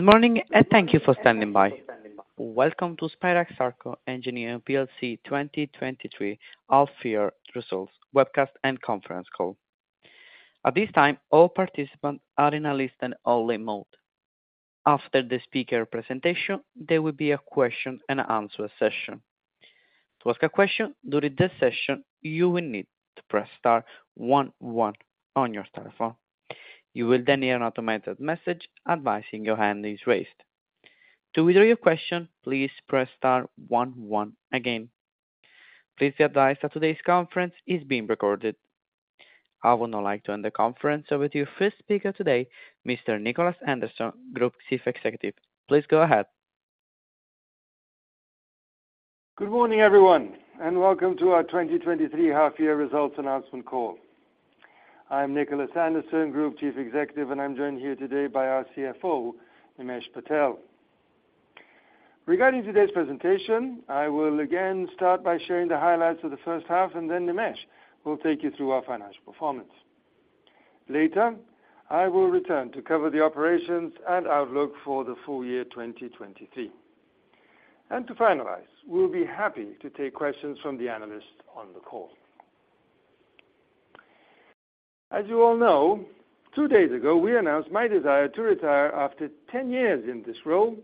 Good morning, thank you for standing by. Welcome to Spirax-Sarco Engineering plc 2023 half-year results webcast and conference call. At this time, all participants are in a listen-only mode. After the speaker presentation, there will be a question-and-answer session. To ask a question during this session, you will need to press star one one on your telephone. You will then hear an automated message advising your hand is raised. To withdraw your question, please press star one one again. Please be advised that today's conference is being recorded. I would now like to hand the conference over to your first speaker today, Mr. Nicholas Anderson, Group Chief Executive. Please go ahead. Good morning, everyone, welcome to our 2023 half-year results announcement call. I'm Nicholas Anderson, Group Chief Executive, and I'm joined here today by our CFO, Nimesh Patel. Regarding today's presentation, I will again start by sharing the highlights of the first half, then Nimesh will take you through our financial performance. Later, I will return to cover the operations and outlook for the full year 2023. To finalize, we'll be happy to take questions from the analysts on the call. As you all know, two days ago, we announced my desire to retire after 10 years in this role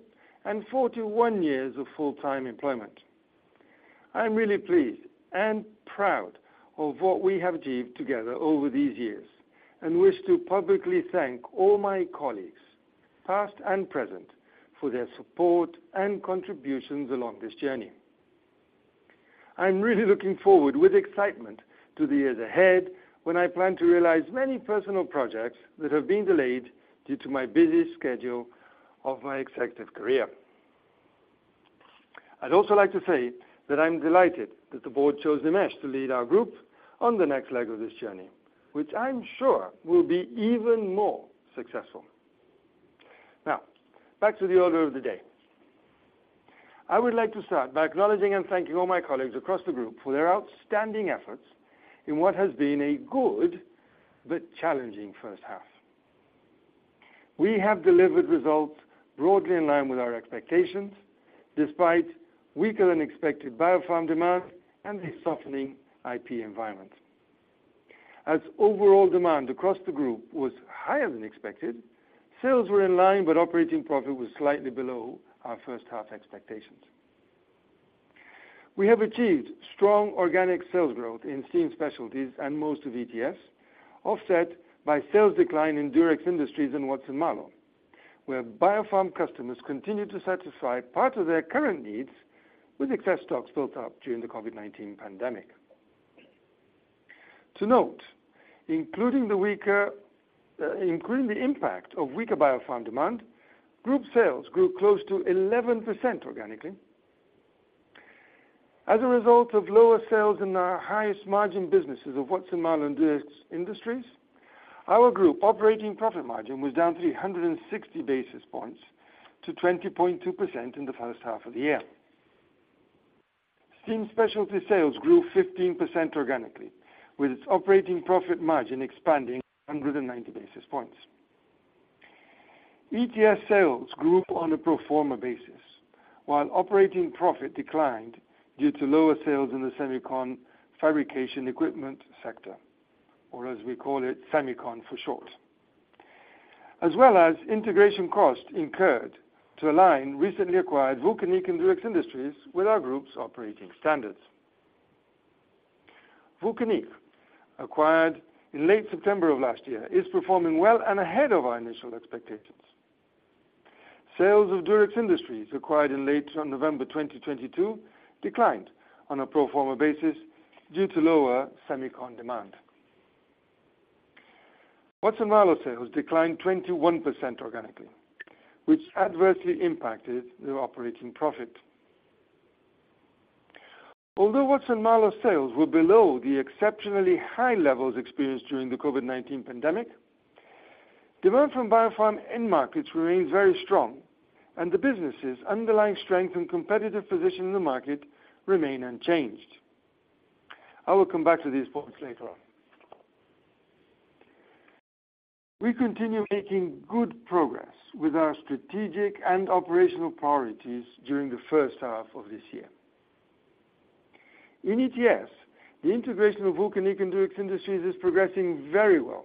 and 41 years of full-time employment. I'm really pleased and proud of what we have achieved together over these years and wish to publicly thank all my colleagues, past and present, for their support and contributions along this journey. I'm really looking forward with excitement to the years ahead when I plan to realize many personal projects that have been delayed due to my busy schedule of my executive career. I'd also like to say that I'm delighted that the board chose Nimesh to lead our group on the next leg of this journey, which I'm sure will be even more successful. Now, back to the order of the day. I would like to start by acknowledging and thanking all my colleagues across the group for their outstanding efforts in what has been a good but challenging first half. We have delivered results broadly in line with our expectations, despite weaker than expected biopharm demand and a softening IP environment. As overall demand across the group was higher than expected, sales were in line, but operating profit was slightly below our first half expectations. We have achieved strong organic sales growth in Steam Specialties and most of ETS, offset by sales decline in Durex Industries and Watson-Marlow, where biopharm customers continue to satisfy part of their current needs with excess stocks built up during the COVID-19 pandemic. To note, including the weaker, including the impact of weaker biopharm demand, group sales grew close to 11% organically. As a result of lower sales in our highest margin businesses of Watson-Marlow and Durex Industries, our group operating profit margin was down 360 basis points to 20.2% in the first half of the year. Steam Specialty sales grew 15% organically, with its operating profit margin expanding 190 basis points. ETS sales grew on a pro forma basis, while operating profit declined due to lower sales in the semicon fabrication equipment sector, or as we call it, semicon for short, as well as integration costs incurred to align recently acquired Vulcanic and Durex Industries with our group's operating standards. Vulcanic, acquired in late September of last year, is performing well and ahead of our initial expectations. Sales of Durex Industries, acquired in late November 2022, declined on a pro forma basis due to lower semicon demand. Watson-Marlow sales declined 21% organically, which adversely impacted their operating profit. Although Watson-Marlow sales were below the exceptionally high levels experienced during the COVID-19 pandemic, demand from biopharm end markets remains very strong, and the business's underlying strength and competitive position in the market remain unchanged. I will come back to these points later on. We continue making good progress with our strategic and operational priorities during the first half of this year. In ETS, the integration of Vulcanic and Durex Industries is progressing very well.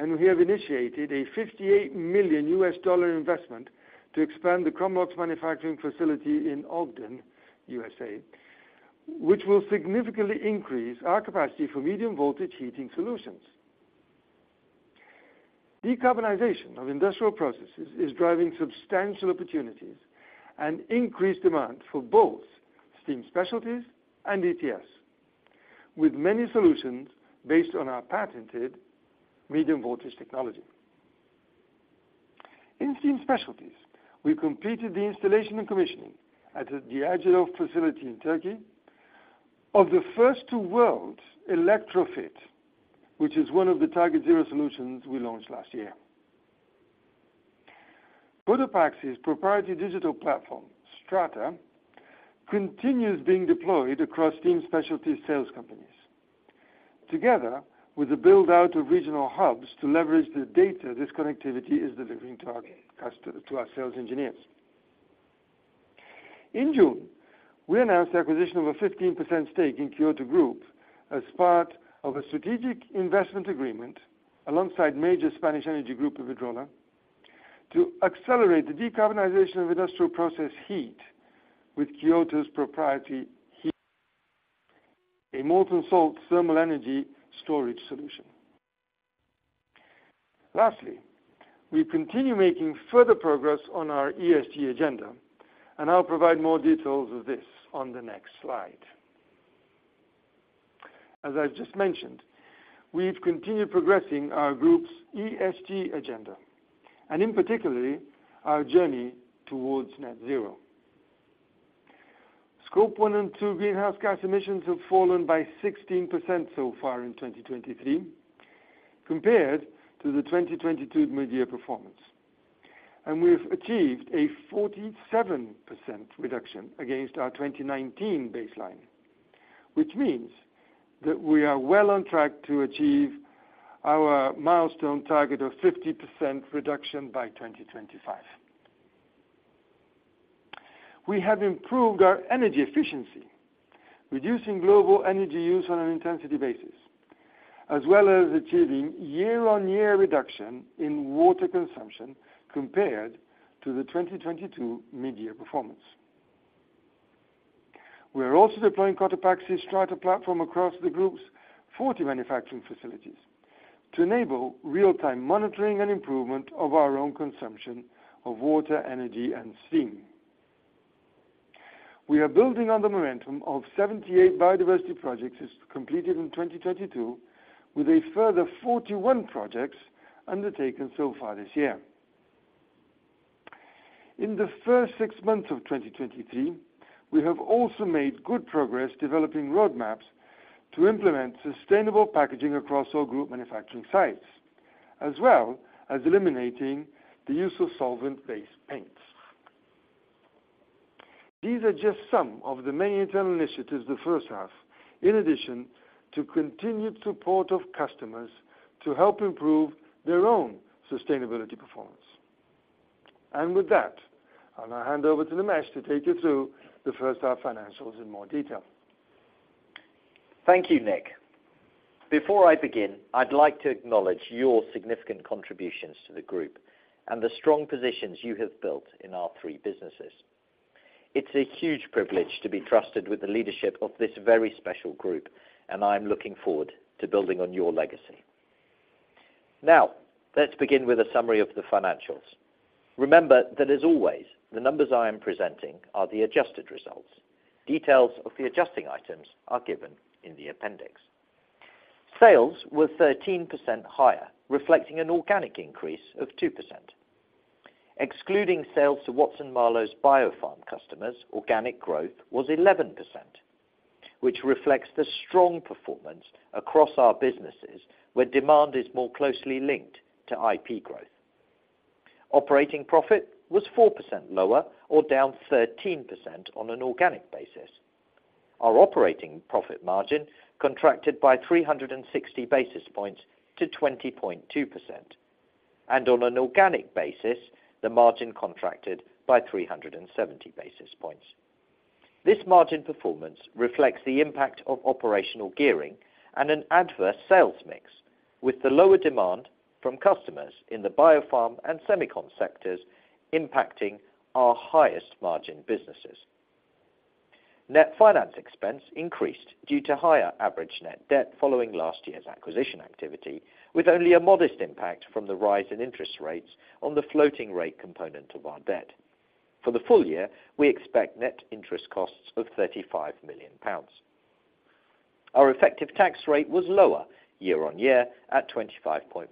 We have initiated a $58 million investment to expand the Chromalox manufacturing facility in Ogden, U.S.A, which will significantly increase our capacity for medium voltage heating solutions. Decarbonization of industrial processes is driving substantial opportunities and increased demand for both Steam Specialties and ETS, with many solutions based on our patented medium voltage technology. In Steam Specialties, we completed the installation and commissioning at the [Agile] facility in Türkiye of the first two worlds ElectroFit, which is one of the TargetZero solutions we launched last year. Cotopaxi proprietary digital platform, Strata, continues being deployed across Steam Specialty sales companies. Together with the build-out of regional hubs to leverage the data, this connectivity is delivering to our customer, to our sales engineers. June, we announced the acquisition of a 15% stake in Kyoto Group as part of a strategic investment agreement, alongside major Spanish energy group of Iberdrola, to accelerate the decarbonization of industrial process heat with Kyoto's proprietary heat, a molten salt thermal energy storage solution. Lastly, we continue making further progress on our ESG agenda, and I'll provide more details of this on the next slide. As I've just mentioned, we've continued progressing our group's ESG agenda, and in particularly, our journey towards net zero. Scope 1 and 2 greenhouse gas emissions have fallen by 16% so far in 2023, compared to the 2022 mid-year performance. We've achieved a 47% reduction against our 2019 baseline, which means that we are well on track to achieve our milestone target of 50% reduction by 2025. We have improved our energy efficiency, reducing global energy use on an intensity basis, as well as achieving year-on-year reduction in water consumption compared to the 2022 mid-year performance. We are also deploying Cotopaxi's Strata platform across the Group's 40 manufacturing facilities to enable real-time monitoring and improvement of our own consumption of water, energy, and steam. We are building on the momentum of 78 biodiversity projects is completed in 2022, with a further 41 projects undertaken so far this year. In the first six months of 2023, we have also made good progress developing roadmaps to implement sustainable packaging across our Group manufacturing sites, as well as eliminating the use of solvent-based paints. These are just some of the many internal initiatives the first half, in addition to continued support of customers to help improve their own sustainability performance. With that, I'm going to hand over to Nimesh to take you through the first half financials in more detail. Thank you, Nick. Before I begin, I'd like to acknowledge your significant contributions to the group and the strong positions you have built in our three businesses. It's a huge privilege to be trusted with the leadership of this very special group, and I'm looking forward to building on your legacy. Now, let's begin with a summary of the financials. Remember that as always, the numbers I am presenting are the adjusted results. Details of the adjusting items are given in the appendix. Sales were 13% higher, reflecting an organic increase of 2%. Excluding sales to Watson-Marlow's biopharm customers, organic growth was 11%, which reflects the strong performance across our businesses, where demand is more closely linked to IP growth. Operating profit was 4% lower or down 13% on an organic basis. Our operating profit margin contracted by 360 basis points to 20.2%. On an organic basis, the margin contracted by 370 basis points. This margin performance reflects the impact of operational gearing and an adverse sales mix, with the lower demand from customers in the biopharm and semicon sectors impacting our highest margin businesses. Net finance expense increased due to higher average net debt following last year's acquisition activity, with only a modest impact from the rise in interest rates on the floating rate component of our debt. For the full year, we expect net interest costs of 35 million pounds. Our effective tax rate was lower year-on-year at 25.4%.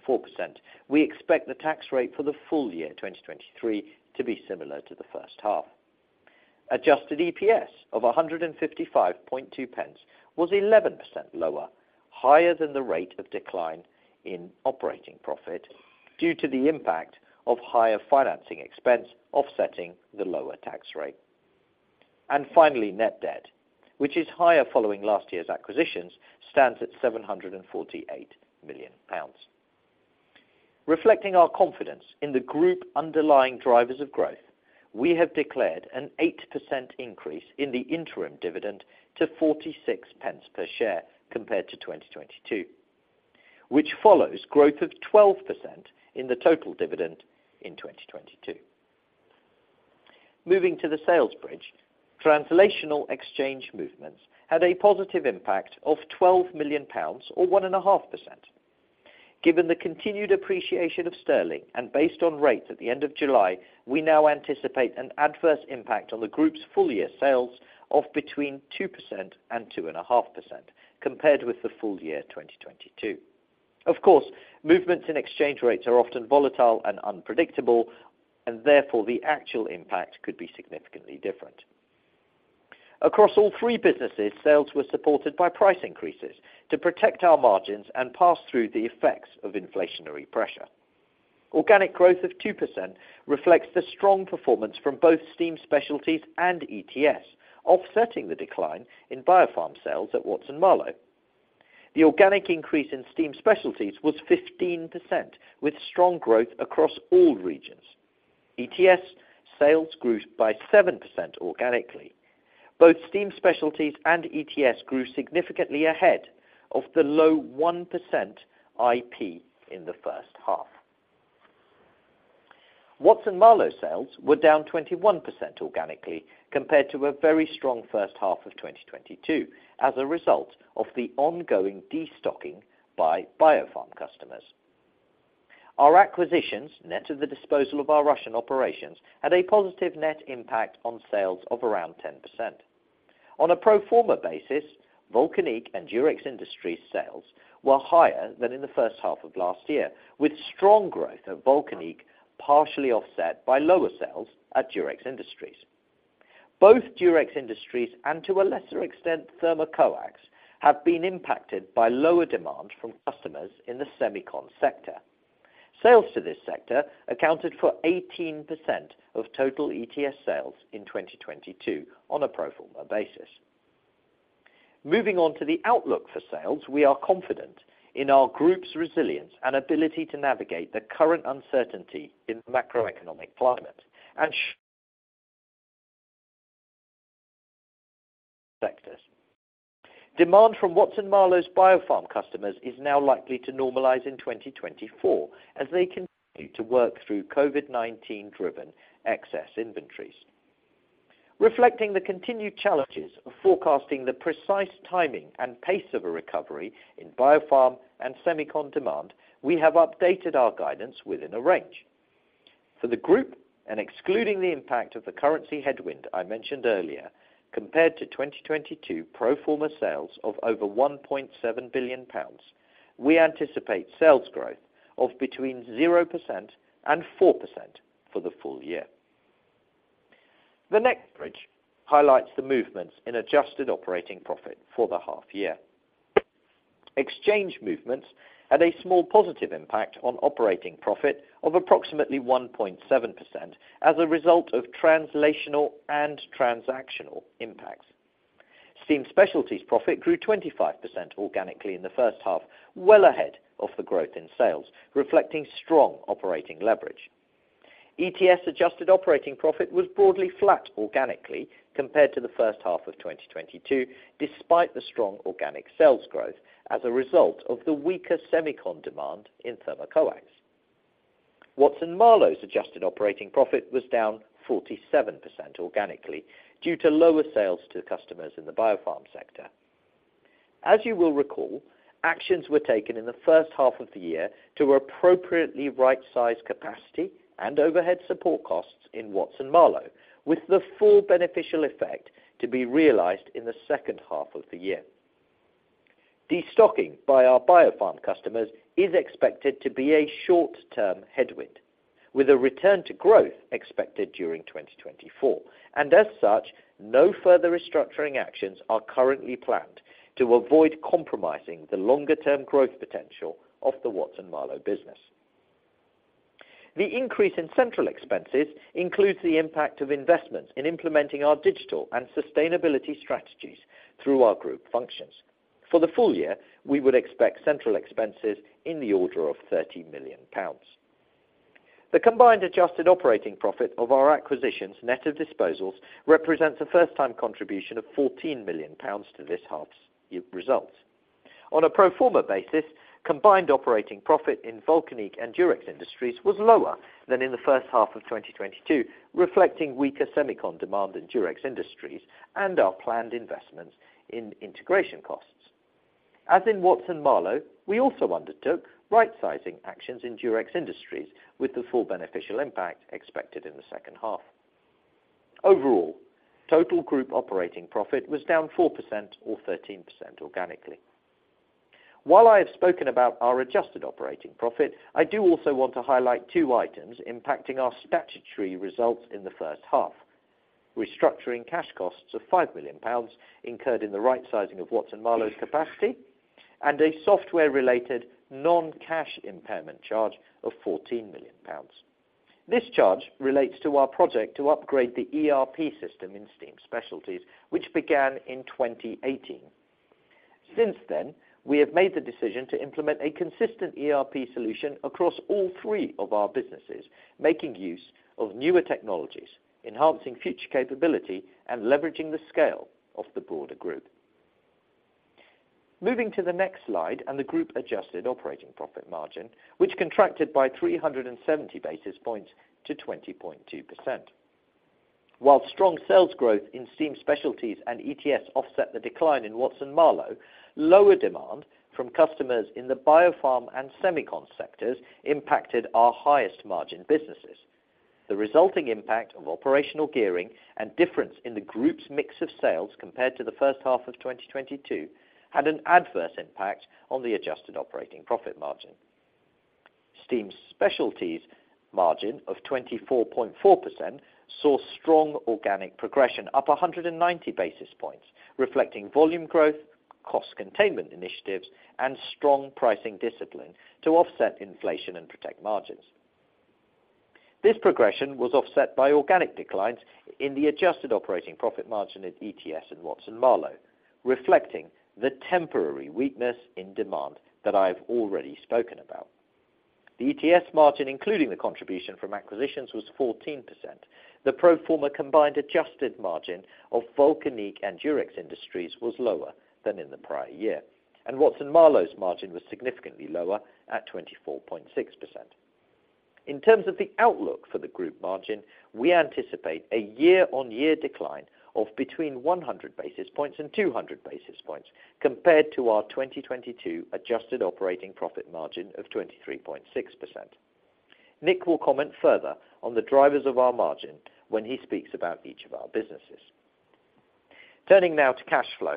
We expect the tax rate for the full year 2023 to be similar to the first half. Adjusted EPS of 1.552 was 11% lower, higher than the rate of decline in operating profit, due to the impact of higher financing expense offsetting the lower tax rate. Finally, net debt, which is higher following last year's acquisitions, stands at 748 million pounds. Reflecting our confidence in the group underlying drivers of growth, we have declared an 8% increase in the interim dividend to 0.46 per share compared to 2022, which follows growth of 12% in the total dividend in 2022. Moving to the sales bridge, translational exchange movements had a positive impact of 12 million pounds or 1.5%. Given the continued appreciation of sterling and based on rates at the end of July, we now anticipate an adverse impact on the group's full-year sales of between 2% and 2.5% compared with the full year 2022. Of course, movements in exchange rates are often volatile and unpredictable, therefore, the actual impact could be significantly different. Across all three businesses, sales were supported by price increases to protect our margins and pass through the effects of inflationary pressure. Organic growth of 2% reflects the strong performance from both Steam Specialties and ETS, offsetting the decline in biopharm sales at Watson-Marlow. The organic increase in Steam Specialties was 15%, with strong growth across all regions. ETS sales grew by 7% organically. Both Steam Specialties and ETS grew significantly ahead of the low 1% IP in the first half. Watson-Marlow sales were down 21% organically, compared to a very strong first half of 2022, as a result of the ongoing destocking by biopharm customers. Our acquisitions, net of the disposal of our Russian operations, had a positive net impact on sales of around 10%. On a pro forma basis, Vulcanic and Durex Industries sales were higher than in the first half of last year, with strong growth at Vulcanic, partially offset by lower sales at Durex Industries. Both Durex Industries, and to a lesser extent, THERMOCOAX, have been impacted by lower demand from customers in the semicon sector. Sales to this sector accounted for 18% of total ETS sales in 2022 on a pro forma basis. Moving on to the outlook for sales, we are confident in our group's resilience and ability to navigate the current uncertainty in the macroeconomic climate and sectors. Demand from Watson-Marlow's biopharm customers is now likely to normalize in 2024, as they continue to work through COVID-19 driven excess inventories. Reflecting the continued challenges of forecasting the precise timing and pace of a recovery in biopharm and semicon demand, we have updated our guidance within a range. For the group, and excluding the impact of the currency headwind I mentioned earlier, compared to 2022 pro forma sales of over 1.7 billion pounds, we anticipate sales growth of between 0% and 4% for the full year. The next bridge highlights the movements in adjusted operating profit for the half year. Exchange movements had a small positive impact on operating profit of approximately 1.7% as a result of translational and transactional impacts. Steam Specialties profit grew 25% organically in the first half, well ahead of the growth in sales, reflecting strong operating leverage. ETS adjusted operating profit was broadly flat organically compared to the first half of 2022, despite the strong organic sales growth as a result of the weaker semicon demand in THERMOCOAX. Watson-Marlow's adjusted operating profit was down 47% organically due to lower sales to customers in the biopharm sector. As you will recall, actions were taken in the first half of the year to appropriately right-size capacity and overhead support costs in Watson-Marlow, with the full beneficial effect to be realized in the second half of the year. Destocking by our biopharm customers is expected to be a short-term headwind, with a return to growth expected during 2024. As such, no further restructuring actions are currently planned to avoid compromising the longer term growth potential of the Watson-Marlow business. The increase in central expenses includes the impact of investments in implementing our digital and sustainability strategies through our group functions. For the full year, we would expect central expenses in the order of 30 million pounds. The combined adjusted operating profit of our acquisitions, net of disposals, represents a first-time contribution of 14 million pounds to this half's results. On a pro forma basis, combined operating profit in Vulcanic and Durex Industries was lower than in the first half of 2022, reflecting weaker semicon demand in Durex Industries and our planned investments in integration costs. As in Watson-Marlow, we also undertook rightsizing actions in Durex Industries, with the full beneficial impact expected in the second half. Overall, total group operating profit was down 4% or 13% organically. While I have spoken about our adjusted operating profit, I do also want to highlight two items impacting our statutory results in the first half. Restructuring cash costs of 5 million pounds incurred in the rightsizing of Watson-Marlow's capacity, and a software-related non-cash impairment charge of 14 million pounds. This charge relates to our project to upgrade the ERP system in Steam Specialties, which began in 2018. Since then, we have made the decision to implement a consistent ERP solution across all three of our businesses, making use of newer technologies, enhancing future capability, and leveraging the scale of the broader group. Moving to the next slide, and the group adjusted operating profit margin, which contracted by 370 basis points to 20.2%. While strong sales growth in Steam Specialties and ETS offset the decline in Watson-Marlow, lower demand from customers in the biopharm and semicon sectors impacted our highest margin businesses. The resulting impact of operational gearing and difference in the group's mix of sales compared to the first half of 2022, had an adverse impact on the adjusted operating profit margin. Steam Specialties margin of 24.4% saw strong organic progression up 190 basis points, reflecting volume growth cost containment initiatives and strong pricing discipline to offset inflation and protect margins. This progression was offset by organic declines in the adjusted operating profit margin at ETS and Watson-Marlow, reflecting the temporary weakness in demand that I have already spoken about. The ETS margin, including the contribution from acquisitions, was 14%. The pro forma combined adjusted margin of Vulcanic and Durex Industries was lower than in the prior year, and Watson-Marlow's margin was significantly lower at 24.6%. In terms of the outlook for the group margin, we anticipate a year-on-year decline of between 100 basis points and 200 basis points compared to our 2022 adjusted operating profit margin of 23.6%. Nick will comment further on the drivers of our margin when he speaks about each of our businesses. Turning now to cash flow.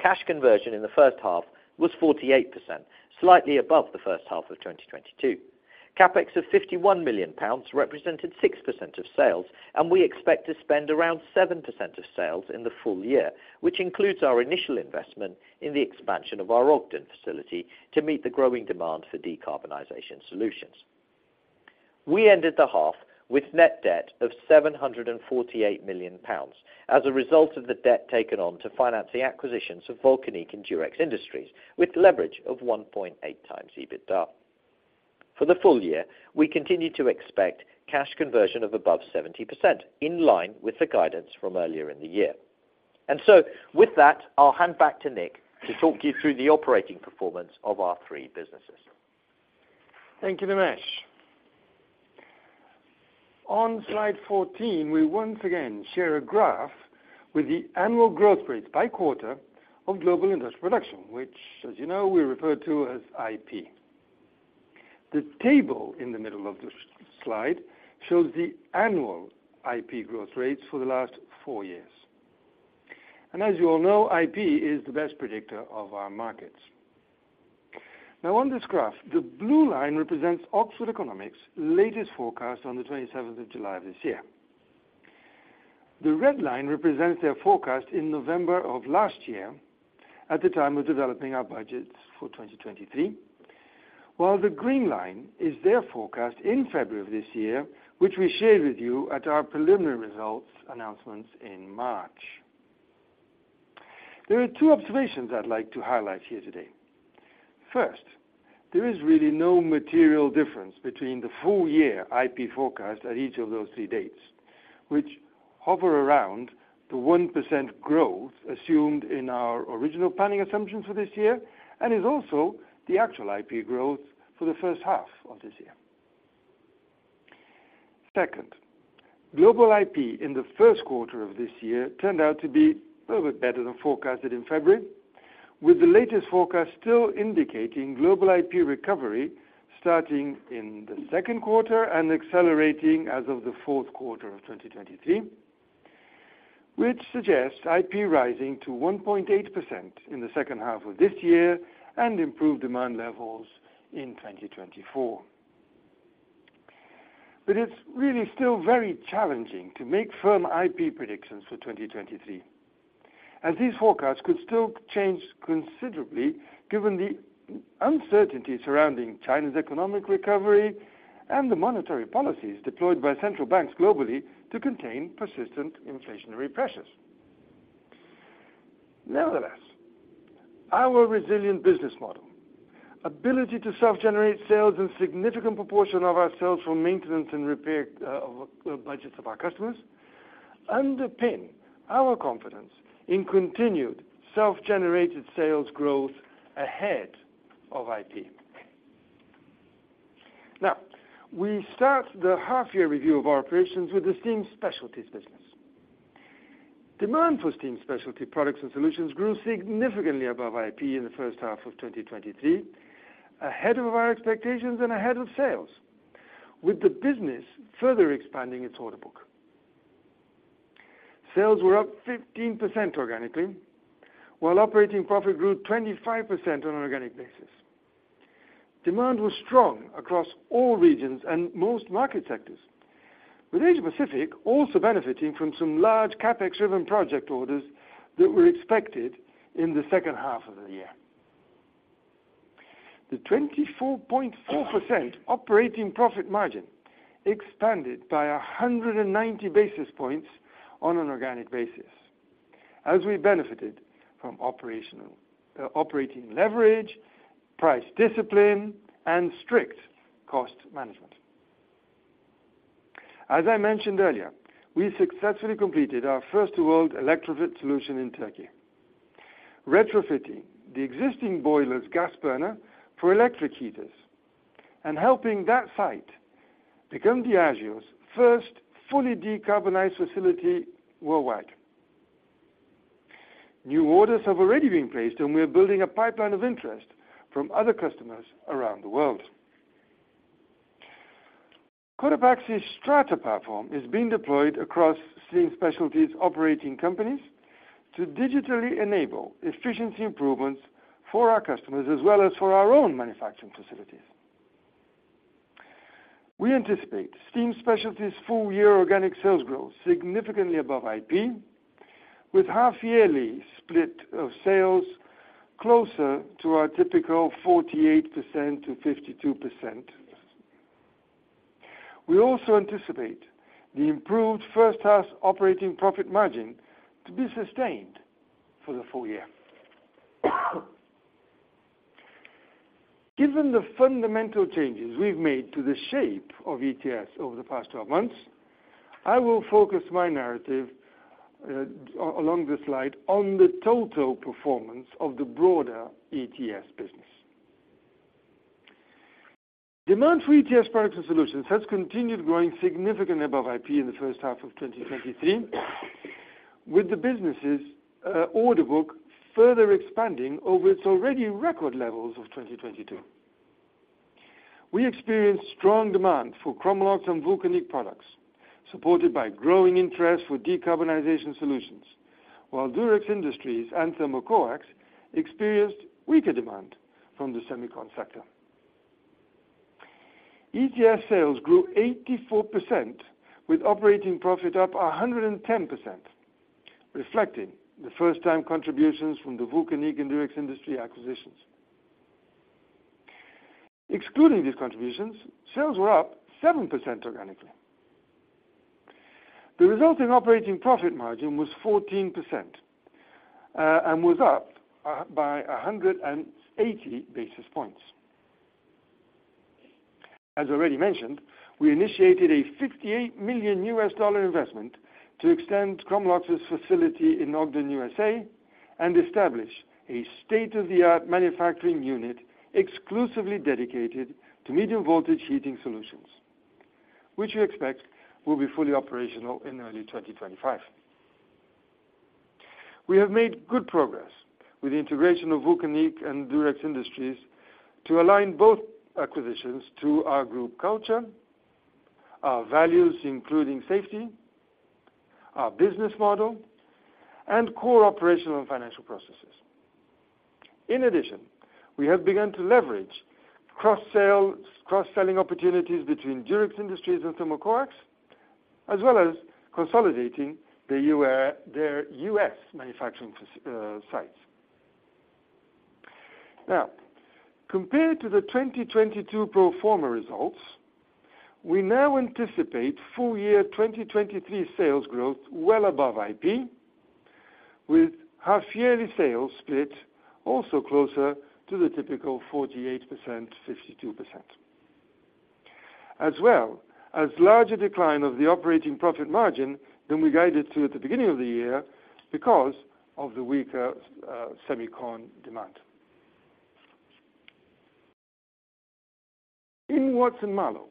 Cash conversion in the first half was 48%, slightly above the first half of 2022. CapEx of 51 million pounds represented 6% of sales. We expect to spend around 7% of sales in the full year, which includes our initial investment in the expansion of our Ogden facility to meet the growing demand for decarbonization solutions. We ended the half with net debt of 748 million pounds as a result of the debt taken on to finance the acquisitions of Vulcanic and Durex Industries, with leverage of 1.8x EBITDA. For the full year, we continue to expect cash conversion of above 70%, in line with the guidance from earlier in the year. With that, I'll hand back to Nick to talk you through the operating performance of our three businesses. Thank you, Nimesh. On slide 14, we once again share a graph with the annual growth rates by quarter of global industry production, which, as you know, we refer to as IP. The table in the middle of the slide shows the annual IP growth rates for the last four years. As you all know, IP is the best predictor of our markets. Now, on this graph, the blue line represents Oxford Economics' latest forecast on the 27th of July of this year. The red line represents their forecast in November of last year, at the time of developing our budgets for 2023, while the green line is their forecast in February of this year, which we shared with you at our preliminary results announcements in March. There are two observations I'd like to highlight here today. First, there is really no material difference between the full year IP forecast at each of those three dates, which hover around the 1% growth assumed in our original planning assumptions for this year, and is also the actual IP growth for the first half of this year. Second, global IP in the first quarter of this year turned out to be a little bit better than forecasted in February, with the latest forecast still indicating global IP recovery starting in the second quarter and accelerating as of the fourth quarter of 2023, which suggests IP rising to 1.8% in the second half of this year and improved demand levels in 2024. It's really still very challenging to make firm IP predictions for 2023, as these forecasts could still change considerably given the uncertainty surrounding China's economic recovery and the monetary policies deployed by central banks globally to contain persistent inflationary pressures. Nevertheless, our resilient business model, ability to self-generate sales and significant proportion of our sales from maintenance and repair of budgets of our customers, underpin our confidence in continued self-generated sales growth ahead of IP. We start the half year review of our operations with the Steam Specialties business. Demand for Steam Specialty products and solutions grew significantly above IP in the first half of 2023, ahead of our expectations and ahead of sales, with the business further expanding its order book. Sales were up 15% organically, while operating profit grew 25% on an organic basis. Demand was strong across all regions and most market sectors, with Asia-Pacific also benefiting from some large CapEx-driven project orders that were expected in the second half of the year. The 24.4% operating profit margin expanded by 190 basis points on an organic basis, as we benefited from operational operating leverage, price discipline, and strict cost management. As I mentioned earlier, we successfully completed our first world ElectroFit solution in Türkiye, retrofitting the existing boiler's gas burner for electric heaters and helping that site become Diageo's first fully decarbonized facility worldwide. New orders have already been placed, and we are building a pipeline of interest from other customers around the world. Cotopaxi's Strata platform is being deployed across Steam Specialties operating companies to digitally enable efficiency improvements for our customers as well as for our own manufacturing facilities. We anticipate Steam Specialties full year organic sales growth significantly above IP, with half yearly split of sales closer to our typical 48%-52%. We also anticipate the improved first half operating profit margin to be sustained for the full year. Given the fundamental changes we've made to the shape of ETS over the past 12 months, I will focus my narrative along this slide on the total performance of the broader ETS business. Demand for ETS products and solutions has continued growing significantly above IP in the first half of 2023, with the businesses, order book further expanding over its already record levels of 2022. We experienced strong demand for Chromalox and Vulcanic products, supported by growing interest for decarbonization solutions, while Durex Industries and THERMOCOAX experienced weaker demand from the semicon sector. ETS sales grew 84% with operating profit up 110%, reflecting the first time contributions from the Vulcanic and Durex Industries acquisitions. Excluding these contributions, sales were up 7% organically. The resulting operating profit margin was 14% and was up by 180 basis points. As already mentioned, we initiated a $58 million investment to extend Chromalox's facility in Ogden, U.S., and establish a state-of-the-art manufacturing unit exclusively dedicated to medium voltage heating solutions, which we expect will be fully operational in early 2025. We have made good progress with the integration of Vulcanic and Durex Industries to align both acquisitions to our group culture, our values, including safety, our business model, and core operational and financial processes. In addition, we have begun to leverage cross-sale, cross-selling opportunities between Durex Industries and THERMOCOAX, as well as consolidating their U.S. manufacturing fac sites. Compared to the 2022 pro forma results, we now anticipate full year 2023 sales growth well above IP, with half yearly sales split also closer to the typical 48%, 52%. As larger decline of the operating profit margin than we guided to at the beginning of the year because of the weaker semicon demand. In Watson-Marlow,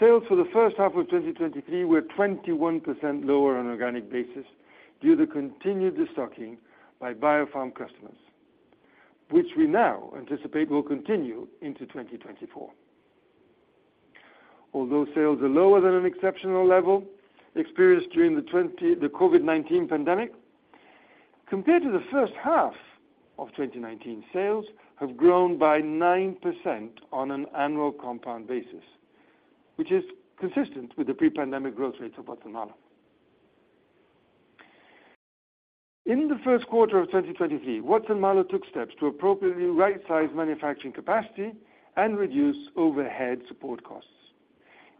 sales for the first half of 2023 were 21% lower on organic basis due to continued destocking by biopharm customers, which we now anticipate will continue into 2024. Although sales are lower than an exceptional level experienced during the COVID-19 pandemic, compared to the first half of 2019, sales have grown by 9% on an annual compound basis, which is consistent with the pre-pandemic growth rates of Watson-Marlow. In the first quarter of 2023, Watson-Marlow took steps to appropriately right-size manufacturing capacity and reduce overhead support costs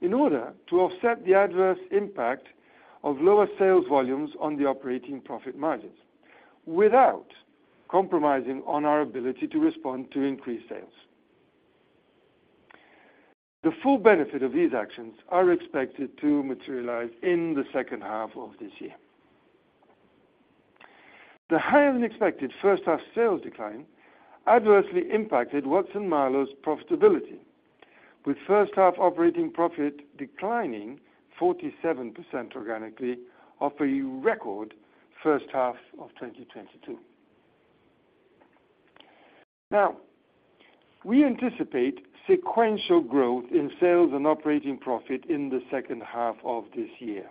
in order to offset the adverse impact of lower sales volumes on the operating profit margins, without compromising on our ability to respond to increased sales. The full benefit of these actions are expected to materialize in the second half of this year. The higher-than-expected first half sales decline adversely impacted Watson-Marlow's profitability, with first half operating profit declining 47% organically, off a record first half of 2022. Now, we anticipate sequential growth in sales and operating profit in the second half of this year,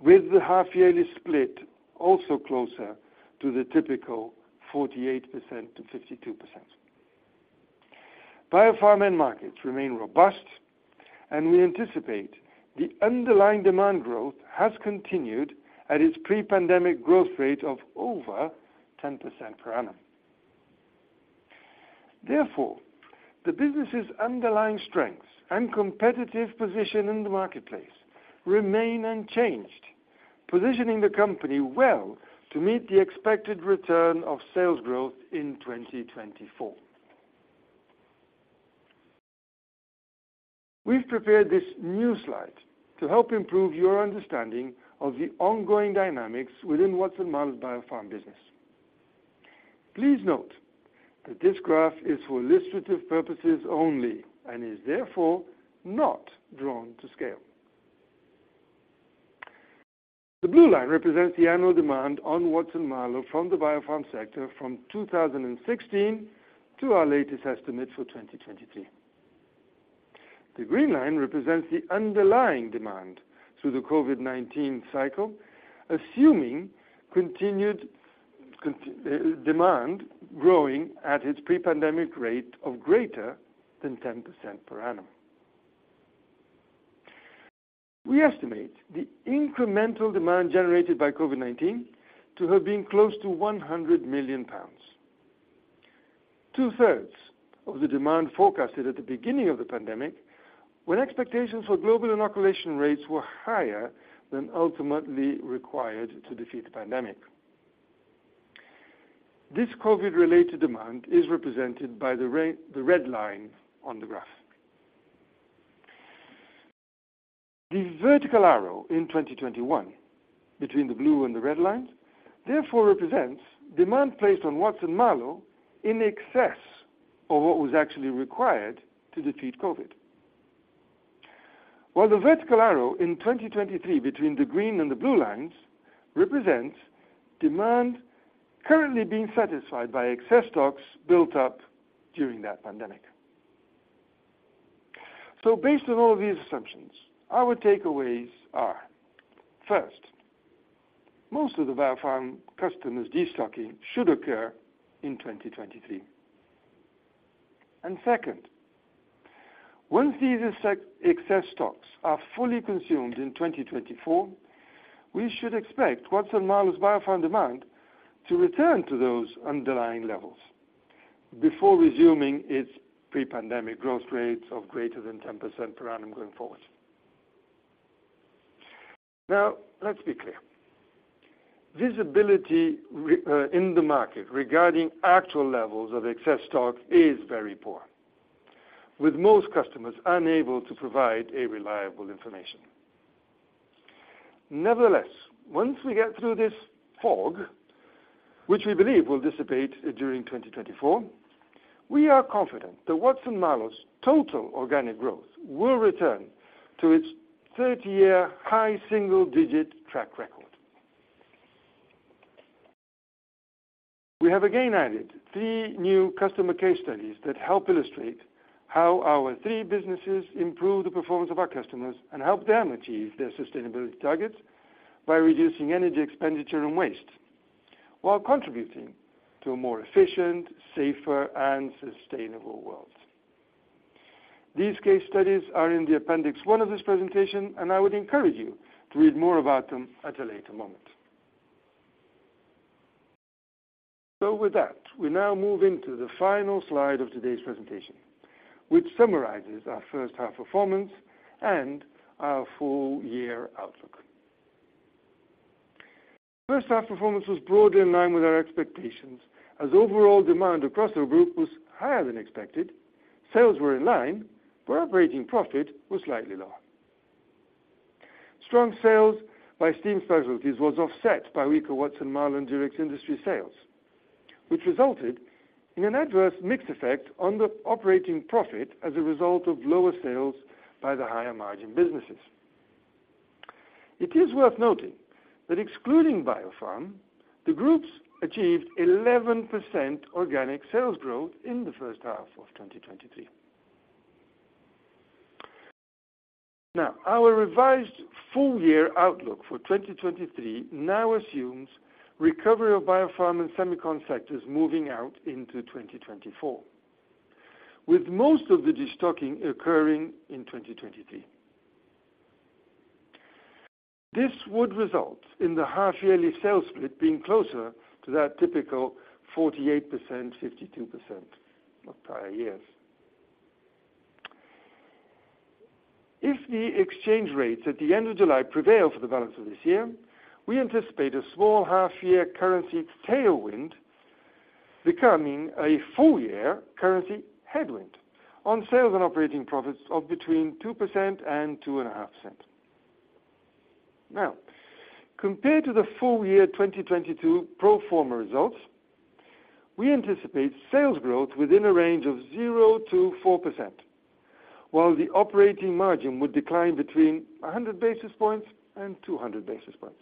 with the half yearly split also closer to the typical 48%-52%. biopharm end markets remain robust, and we anticipate the underlying demand growth has continued at its pre-pandemic growth rate of over 10% per annum. Therefore, the business' underlying strengths and competitive position in the marketplace remain unchanged, positioning the company well to meet the expected return of sales growth in 2024. We've prepared this new slide to help improve your understanding of the ongoing dynamics within Watson-Marlow biopharm business. Please note that this graph is for illustrative purposes only and is therefore not drawn to scale. The blue line represents the annual demand on Watson-Marlow from the biopharm sector from 2016 to our latest estimate for 2023. The green line represents the underlying demand through the COVID-19 cycle, assuming continued demand growing at its pre-pandemic rate of greater than 10% per annum. We estimate the incremental demand generated by COVID-19 to have been close to 100 million pounds. Two-thirds of the demand forecasted at the beginning of the pandemic, when expectations for global inoculation rates were higher than ultimately required to defeat the pandemic. This COVID-19-related demand is represented by the red line on the graph. The vertical arrow in 2021, between the blue and the red lines, therefore represents demand placed on Watson-Marlow in excess of what was actually required to defeat COVID-19. While the vertical arrow in 2023, between the green and the blue lines, represents demand currently being satisfied by excess stocks built up during that pandemic. Based on all these assumptions, our takeaways are: first, most of the biopharm customers' destocking should occur in 2023. Second, once these excess stocks are fully consumed in 2024, we should expect Watson-Marlow's biopharm demand to return to those underlying levels before resuming its pre-pandemic growth rates of greater than 10% per annum going forward. Now, let's be clear. Visibility in the market regarding actual levels of excess stock is very poor, with most customers unable to provide reliable information. Nevertheless, once we get through this fog, which we believe will dissipate during 2024, we are confident that Watson-Marlow's total organic growth will return to its 30-year high single-digit track record. We have again added three new customer case studies that help illustrate how our three businesses improve the performance of our customers and help them achieve their sustainability targets by reducing energy expenditure and waste, while contributing to a more efficient, safer, and sustainable world. These case studies are in the appendix one of this presentation, I would encourage you to read more about them at a later moment. With that, we now move into the final slide of today's presentation, which summarizes our first half performance and our full year outlook. First half performance was broadly in line with our expectations, as overall demand across the group was higher than expected. Sales were in line, operating profit was slightly lower. Strong sales by Steam Specialties was offset by weaker Watson-Marlow and Durex industry sales, which resulted in an adverse mix effect on the operating profit as a result of lower sales by the higher margin businesses. It is worth noting that excluding biopharm, the Group achieved 11% organic sales growth in the first half of 2023. Our revised full year outlook for 2023 now assumes recovery of biopharm and semiconductor is moving out into 2024, with most of the destocking occurring in 2023. This would result in the half yearly sales split being closer to that typical 48%, 52% of prior years. If the exchange rates at the end of July prevail for the balance of this year, we anticipate a small half year currency tailwind becoming a full year currency headwind on sales and operating profits of between 2% and 2.5%. Compared to the full year 2022 pro forma results, we anticipate sales growth within a range of 0%-4%, while the operating margin would decline between 100 basis points and 200 basis points.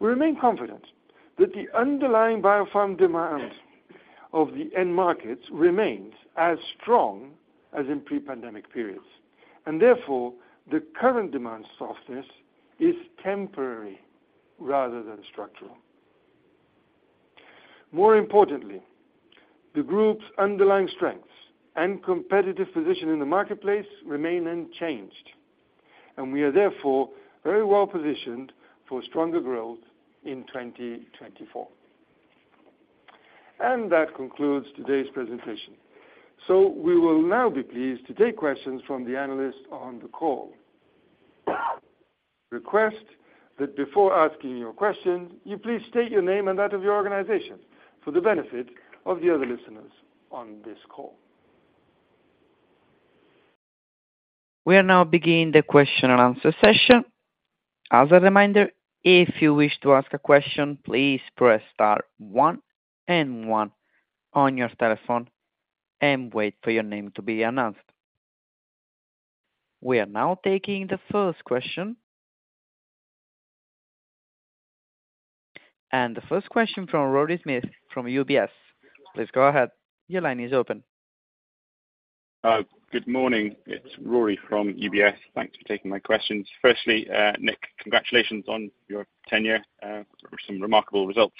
We remain confident that the underlying biopharm demand of the end markets remains as strong as in pre-pandemic periods, therefore, the current demand softness is temporary rather than structural. More importantly, the group's underlying strengths and competitive position in the marketplace remain unchanged, we are therefore very well positioned for stronger growth in 2024. That concludes today's presentation. We will now be pleased to take questions from the analysts on the call. Request that before asking your question, you please state your name and that of your organization for the benefit of the other listeners on this call. We are now beginning the question-and-answer session. As a reminder, if you wish to ask a question, please press star one and one on your telephone and wait for your name to be announced. We are now taking the first question. The first question from Rory Smith, from UBS. Please go ahead. Your line is open. Good morning, it's Rory from UBS. Thanks for taking my questions. Firstly, Nick, congratulations on your tenure, with some remarkable results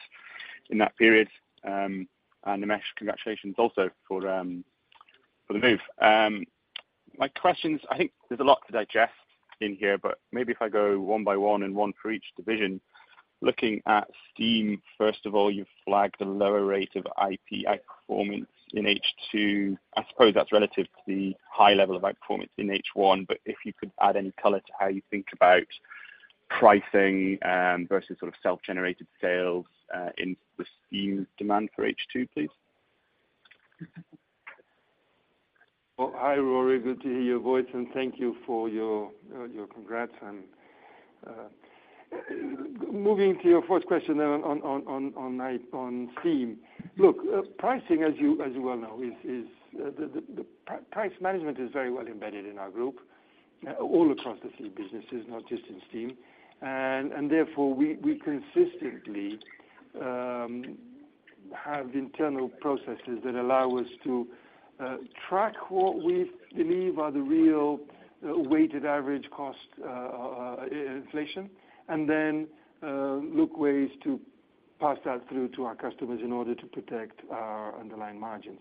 in that period. Nimesh, congratulations also for the move. My questions, I think there's a lot to digest in here, but maybe if I go one by one and one for each division. Looking at steam, first of all, you've flagged a lower rate of IP outperformance in H2. I suppose that's relative to the high level of outperformance in H1, but if you could add any color to how you think about pricing, versus sort of self-generated sales, in the steam demand for H2, please. Well, hi, Rory. Good to hear your voice, thank you for your congrats. Moving to your first question then on steam. Look, pricing as you, as you well know, is, is, the price management is very well embedded in our Group, all across the three businesses, not just in steam. Therefore, we, we consistently have internal processes that allow us to track what we believe are the real weighted average cost inflation, then look ways to pass that through to our customers in order to protect our underlying margins.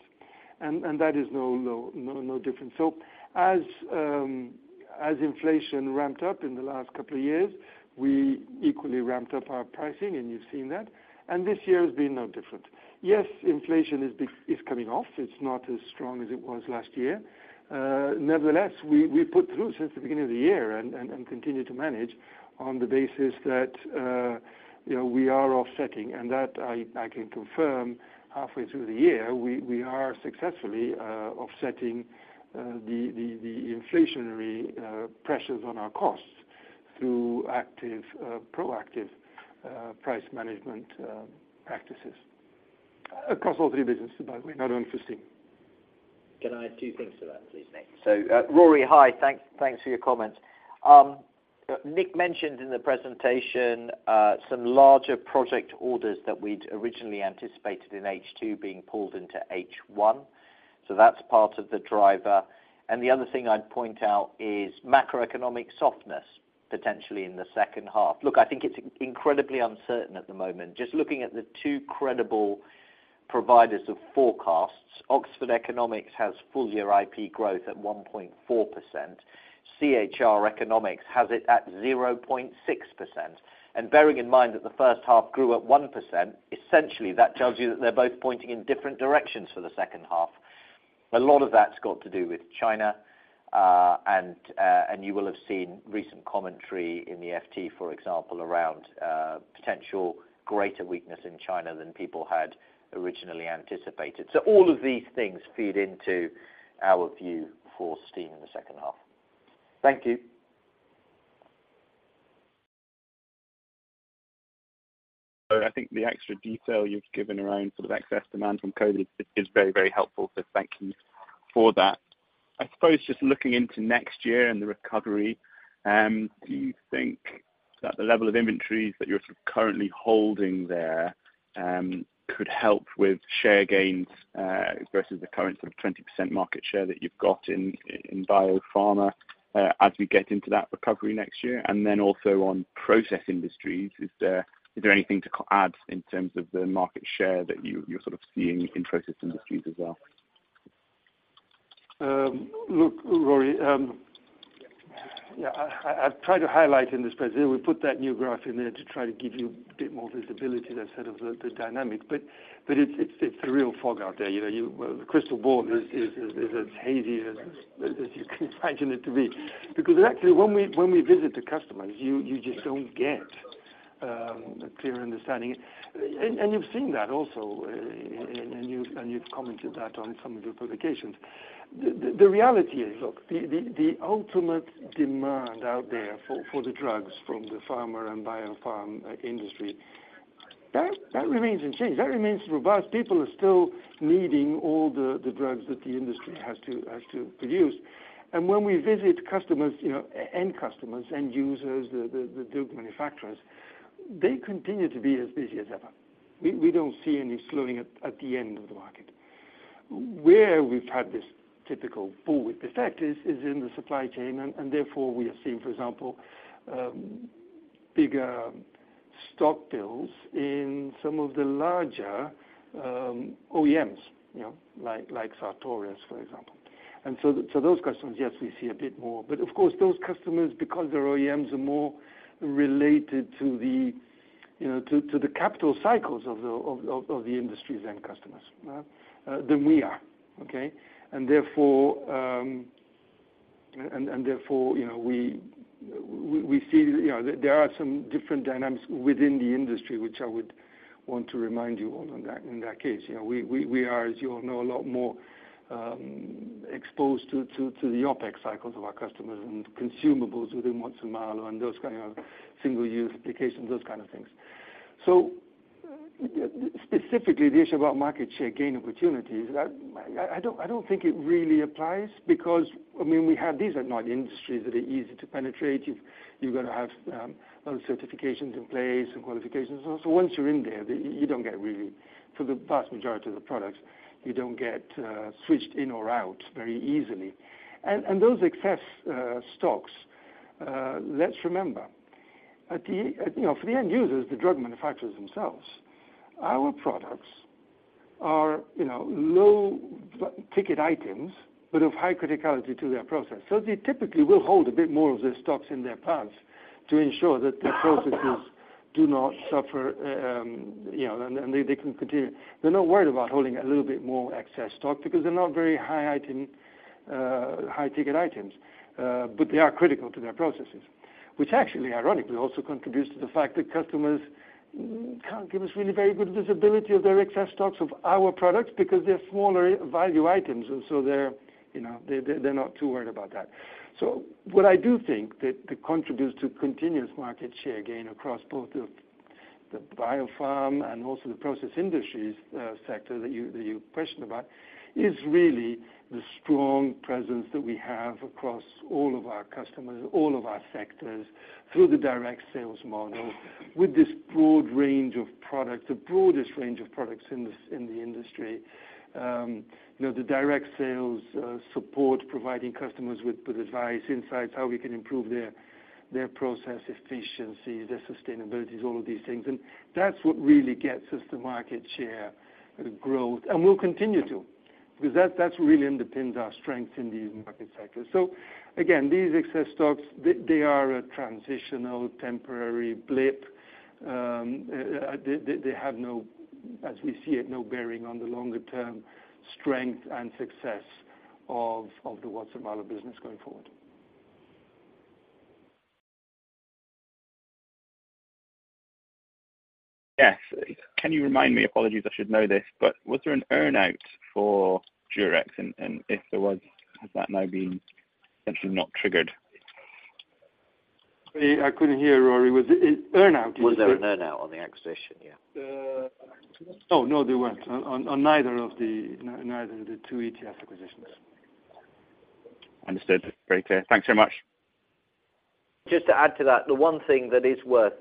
That is no different. As, as inflation ramped up in the last couple of years, we equally ramped up our pricing, and you've seen that, and this year has been no different. Yes, inflation is coming off. It's not as strong as it was last year. Nevertheless, we, we put through since the beginning of the year and, and, and continue to manage on the basis that, you know, we are offsetting, and that I can confirm halfway through the year, we, we are successfully offsetting the, the, the inflationary pressures on our costs through active, proactive, price management practices across all three businesses, by the way, not only for steam. Can I add two things to that, please, Nick? Rory, hi, thank, thanks for your comments. Nick mentioned in the presentation, some larger project orders that we'd originally anticipated in H2 being pulled into H1, so that's part of the driver. The other thing I'd point out is macroeconomic softness, potentially in the second half. Look, I think it's incredibly uncertain at the moment. Just looking at the two credible providers of forecasts, Oxford Economics has full year IP growth at 1.4%. CHR Economics has it at 0.6%. Bearing in mind that the first half grew at 1%, essentially, that tells you that they're both pointing in different directions for the second half. A lot of that's got to do with China, and, and you will have seen recent commentary in the FT, for example, around, potential greater weakness in China than people had originally anticipated. All of these things feed into our view for steam in the second half. Thank you. I think the extra detail you've given around sort of excess demand from COVID-19 is, is very, very helpful. Thank you for that. I suppose just looking into next year and the recovery, do you think that the level of inventories that you're sort of currently holding there, could help with share gains versus the current sort of 20% market share that you've got in, in biopharm, as we get into that recovery next year? Then also on process industries, is there, is there anything to add in terms of the market share that you, you're sort of seeing in process industries as well? Look, Rory, yeah, I've tried to highlight in this presentation. We put that new graph in there to try to give you a bit more visibility, that sort of the, the dynamic. But, but it's, it's, it's a real fog out there. You know, you, well, the crystal ball is, is, is, is as hazy as, as you can imagine it to be. Because actually, when we, when we visit the customers, you, you just don't get a clear understanding. And, and you've seen that also, and, and you've, and you've commented that on some of your publications. The, the, the reality is, look, the, the, the ultimate demand out there for, for the drugs from the pharma and biopharm industry, that, that remains unchanged, that remains robust. People are still needing all the, the drugs that the industry has to, has to produce. When we visit customers, you know, end customers, end users, the, the, the drug manufacturers, they continue to be as busy as ever. We, we don't see any slowing at, at the end of the market. Where we've had this typical full width effect is, is in the supply chain, and therefore, we are seeing, for example, bigger stock builds in some of the larger OEMs, you know, like, like Sartorius, for example. So those customers, yes, we see a bit more. Of course, those customers, because their OEMs, are more related to the, you know, to, to the capital cycles of the, of, of, of the industries and customers, than we are, okay? Therefore, and, and therefore, you know, we, we, we see, you know, there are some different dynamics within the industry, which I would want to remind you of on that, in that case. You know, we, we, we are, as you all know, a lot more exposed to, to, to the OpEx cycles of our customers and consumables within Watson-Marlow and those kind of single-use applications, those kind of things. Specifically, the issue about market share gain opportunities, I don't think it really applies because, I mean, we have. These are not industries that are easy to penetrate. You've, you've got to have a lot of certifications in place and qualifications. Once you're in there, you don't get really, for the vast majority of the products, you don't get switched in or out very easily. Those excess stocks. Let's remember, at the, you know, for the end users, the drug manufacturers themselves, our products are, you know, low ticket items, but of high criticality to their process. They typically will hold a bit more of their stocks in their plants to ensure that their processes do not suffer, you know, and, and they, they can continue. They're not worried about holding a little bit more excess stock, because they're not very high item, high-ticket items. They are critical to their processes, which actually ironically also contributes to the fact that customers can't give us really very good visibility of their excess stocks of our products, because they're smaller value items, and so they're, you know, they, they're not too worried about that. What I do think that, that contributes to continuous market share gain across both the, the biopharm and also the process industries sector that you, that you questioned about, is really the strong presence that we have across all of our customers, all of our sectors, through the direct sales model, with this broad range of products, the broadest range of products in the industry. You know, the direct sales support, providing customers with, with advice, insights, how we can improve their, their process efficiency, their sustainabilities, all of these things, and that's what really gets us the market share growth. Will continue to, because that, that's really underpins our strength in these market sectors. Again, these excess stocks, they, they are a transitional, temporary blip. They, they, they have no, as we see it, no bearing on the longer term strength and success of, of the Watson-Marlow business going forward. Yes. Can you remind me, apologies, I should know this, but was there an earn-out for Durex? If there was, has that now been essentially not triggered? I couldn't hear, Rory. Was it earn-out, you said? Was there an earn-out on the acquisition? Yeah. Oh, no, there weren't. On neither of the, neither of the two ETS acquisitions. Understood. Very clear. Thanks so much. Just to add to that, the one thing that is worth,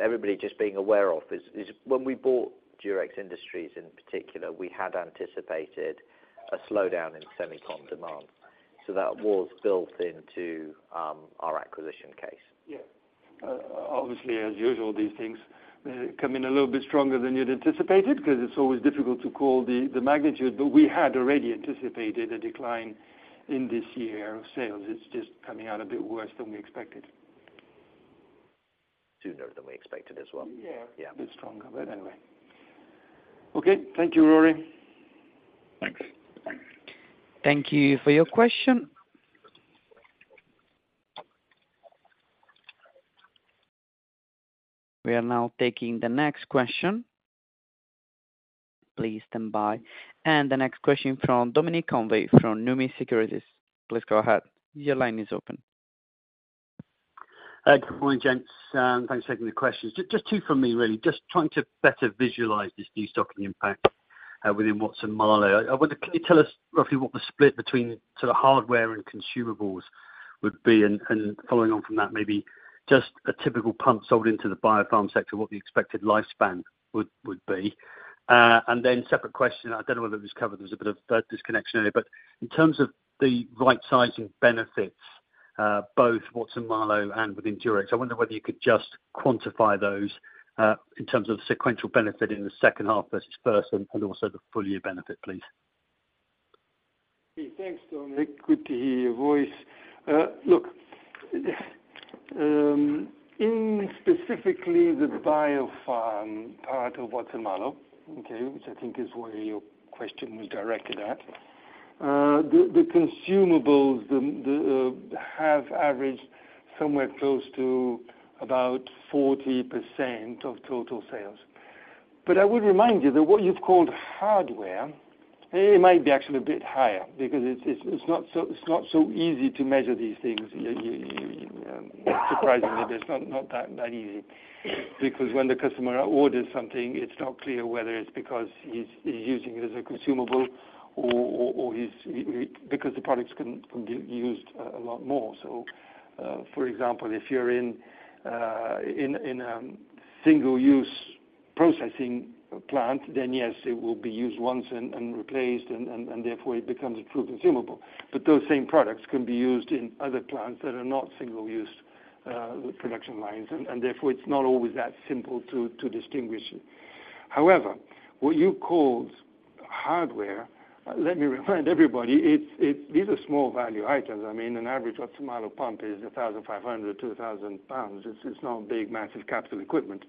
everybody just being aware of is, is when we bought Durex Industries in particular, we had anticipated a slowdown in semicon demand, so that was built into, our acquisition case. Yeah. obviously, as usual, these things may come in a little bit stronger than you'd anticipated, 'cause it's always difficult to call the, the magnitude, but we had already anticipated a decline in this year of sales. It's just coming out a bit worse than we expected. Sooner than we expected as well. Yeah. Yeah. A bit stronger, but anyway. Okay, thank you, Rory. Thanks. Thank you for your question. We are now taking the next question. Please stand by. The next question from Dominic Convey, from Numis Securities. Please go ahead, your line is open. Good morning, gents, and thanks for taking the questions. Just two for me, really. Just trying to better visualize this new stocking impact within Watson-Marlow. I wonder, can you tell us roughly what the split between sort of hardware and consumables would be? Following on from that, maybe just a typical pump sold into the biopharm sector, what the expected lifespan would be? Separate question, I don't know whether it was covered, there was a bit of a disconnection earlier, but in terms of the right sizing benefits, both Watson-Marlow and within Durex, I wonder whether you could just quantify those in terms of sequential benefit in the second half versus first and also the full year benefit, please. Okay, thanks, Dominic. Good to hear your voice. Look, in specifically the biopharm part of Watson-Marlow, okay, which I think is where your question was directed at, the consumables, have averaged somewhere close to about 40% of total sales. I would remind you that what you've called hardware, it might be actually a bit higher, because it's not so easy to measure these things. You, surprisingly, it's not that easy. When the customer orders something, it's not clear whether it's because he's using it as a consumable or he's, because the products can be used a lot more. For example, if you're in, in, in single-use processing plant, then yes, it will be used once and, and replaced, and, and, and therefore it becomes a true consumable. Those same products can be used in other plants that are not single-use production lines, and, and therefore, it's not always that simple to, to distinguish. However, what you called hardware, let me remind everybody, it's, it's- these are small value items. I mean, an average Watson-Marlow pump is 1,500-2,000 pounds. It's, it's not big, massive capital equipment.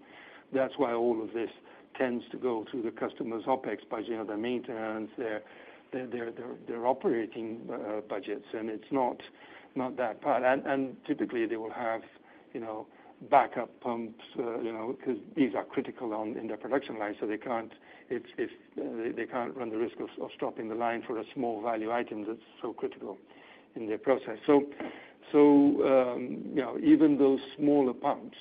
That's why all of this tends to go through the customer's OpEx budget, their maintenance, their, their, their, their operating budgets, and it's not, not that part. Typically, they will have, you know, backup pumps, you know, 'cause these are critical on, in their production line, so they can't. It's if they can't run the risk of, of stopping the line for a small value item that's so critical in their process. You know, even those smaller pumps,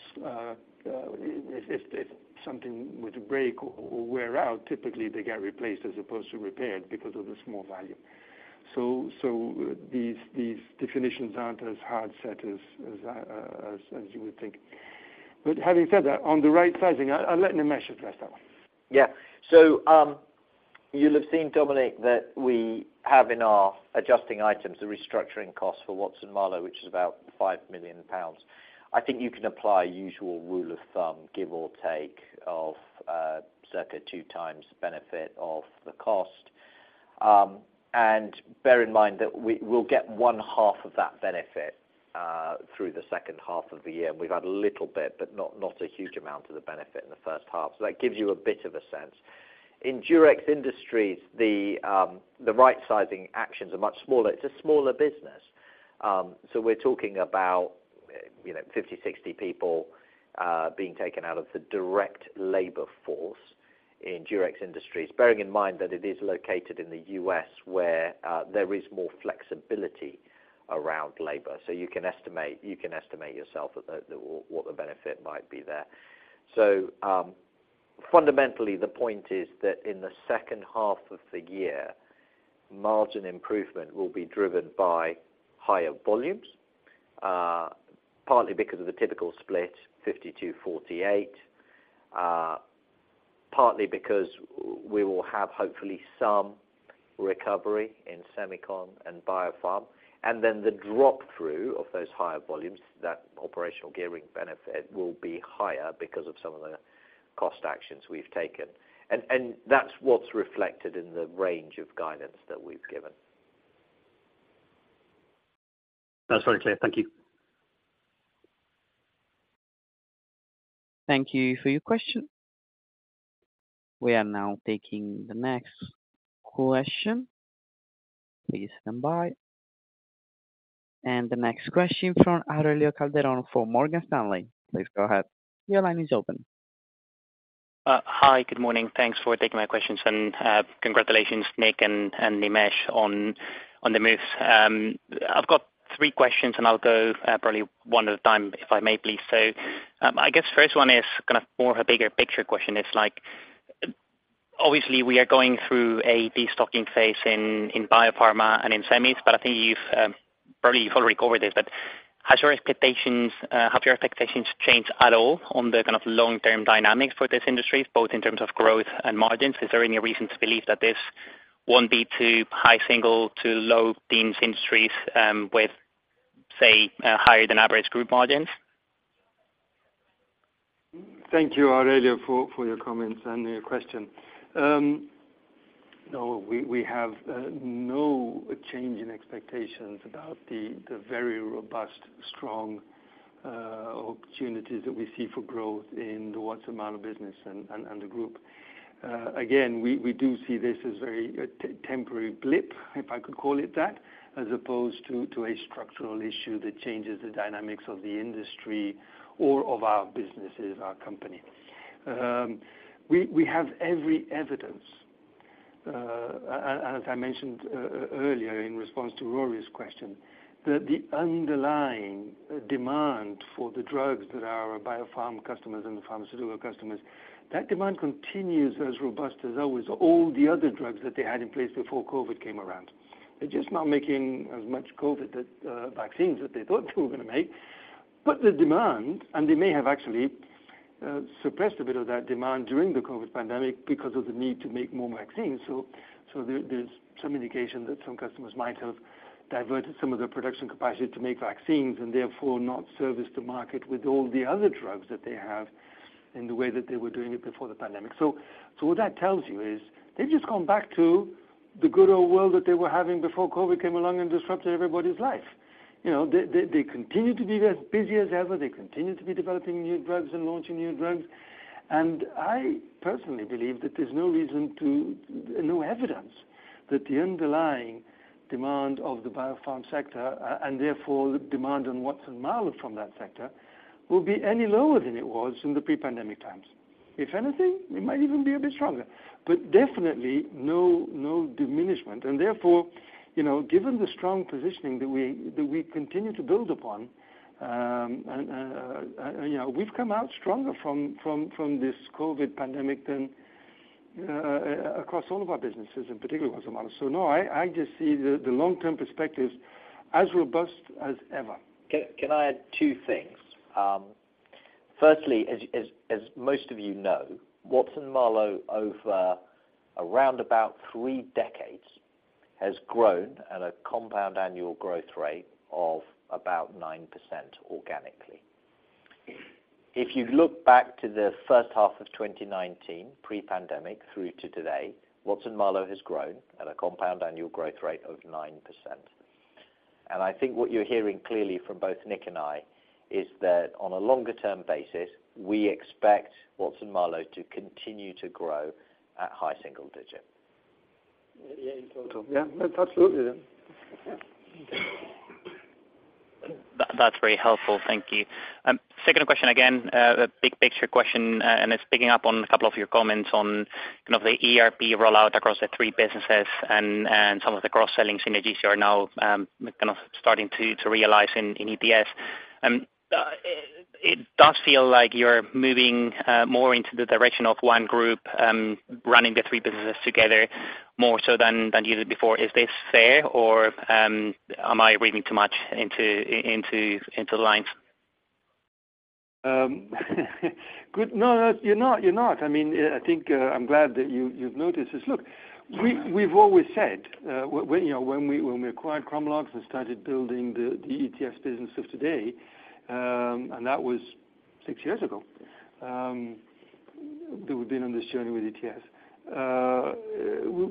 if, if, if something were to break or, or wear out, typically they get replaced as opposed to repaired because of the small value. These, these definitions aren't as hard set as, as, as, as you would think. Having said that, on the right sizing, I'll let Nimesh address that one. Yeah. You'll have seen, Dominic, that we have in our adjusting items, the restructuring costs for Watson-Marlow, which is about 5 million pounds. I think you can apply usual rule of thumb, give or take, of circa two times benefit of the cost. Bear in mind that we, we'll get one half of that benefit through the second half of the year, and we've had a little bit, but not, not a huge amount of the benefit in the first half. That gives you a bit of a sense. In Durex Industries, the right sizing actions are much smaller. It's a smaller business. We're talking about, you know, 50, 60 people being taken out of the direct labor force in Durex Industries, bearing in mind that it is located in the U.S. where there is more flexibility around labor. You can estimate, you can estimate yourself that the, what the benefit might be there. Fundamentally, the point is that in the second half of the year, margin improvement will be driven by higher volumes, partly because of the typical split, 52, 48, partly because we will have hopefully some recovery in semicon and biopharm. Then the drop through of those higher volumes, that operational gearing benefit will be higher because of some of the cost actions we've taken. That's what's reflected in the range of guidance that we've given. That's very clear. Thank you. Thank you for your question. We are now taking the next question. Please stand by. The next question from Aurelio Calderon, from Morgan Stanley. Please go ahead. Your line is open. Hi, good morning. Thanks for taking my questions, congratulations, Nick and Nimesh, on the moves. I've got three questions, I'll go probably one at a time, if I may please. I guess first one is kind of more of a bigger picture question. It's like, obviously, we are going through a destocking phase in biopharma and in semis, I think you've probably you've already covered this. Has your expectations, have your expectations changed at all on the kind of long-term dynamics for this industry, both in terms of growth and margins? Is there any reason to believe that this won't be two high single to low teens industries, with, say, higher than average group margins? Thank you, Aurelio, for your comments and your question. No, we have no change in expectations about the very robust, strong opportunities that we see for growth in the Watson-Marlow business and the group. Again, we do see this as very temporary blip, if I could call it that, as opposed to a structural issue that changes the dynamics of the industry or of our businesses, our company. We have every evidence, and as I mentioned earlier in response to Rory's question, that the underlying demand for the drugs that our biopharm customers and the pharmaceutical customers, that demand continues as robust as always, all the other drugs that they had in place before COVID came around. They're just not making as much COVID vaccines that they thought they were gonna make. The demand, and they may have actually suppressed a bit of that demand during the COVID pandemic because of the need to make more vaccines. There, there's some indication that some customers might have diverted some of their production capacity to make vaccines, and therefore, not service the market with all the other drugs that they have in the way that they were doing it before the pandemic. What that tells you is, they've just gone back to the good old world that they were having before COVID came along and disrupted everybody's life. You know, they, they, they continue to be as busy as ever. They continue to be developing new drugs and launching new drugs. I personally believe that there's no reason to, no evidence that the underlying demand of the biopharm sector, and therefore the demand on Watson-Marlow from that sector, will be any lower than it was in the pre-pandemic times. If anything, it might even be a bit stronger, but definitely no, no diminishment. Therefore, you know, given the strong positioning that we, that we continue to build upon, and, you know, we've come out stronger from, from, from this COVID pandemic than across all of our businesses, and particularly Watson-Marlow. No, I just see the, the long-term perspectives as robust as ever. Can I add two things? Firstly, as most of you know, Watson-Marlow, over around about three decades, has grown at a compound annual growth rate of about 9% organically. If you look back to the first half of 2019, pre-pandemic through to today, Watson-Marlow has grown at a compound annual growth rate of 9%. I think what you're hearing clearly from both Nick and I, is that on a longer term basis, we expect Watson-Marlow to continue to grow at high single digit. Yeah, in total. Yeah, absolutely, yeah. Yeah. That's very helpful. Thank you. Second question, again, a big picture question, it's picking up on a couple of your comments on kind of the ERP rollout across the three businesses and, and some of the cross-selling synergies you are now, kind of starting to, to realize in, in EPS. It does feel like you're moving more into the direction of one group, running the three businesses together more so than, than you did before. Is this fair, or, am I reading too much into, into, into the lines? Good. No, no, you're not, you're not. I mean, I think, I'm glad that you, you've noticed this. Look, we've always said, when, you know, when we, when we acquired Chromalox and started building the ETS business of today, and that was six years ago, that we've been on this journey with ETS.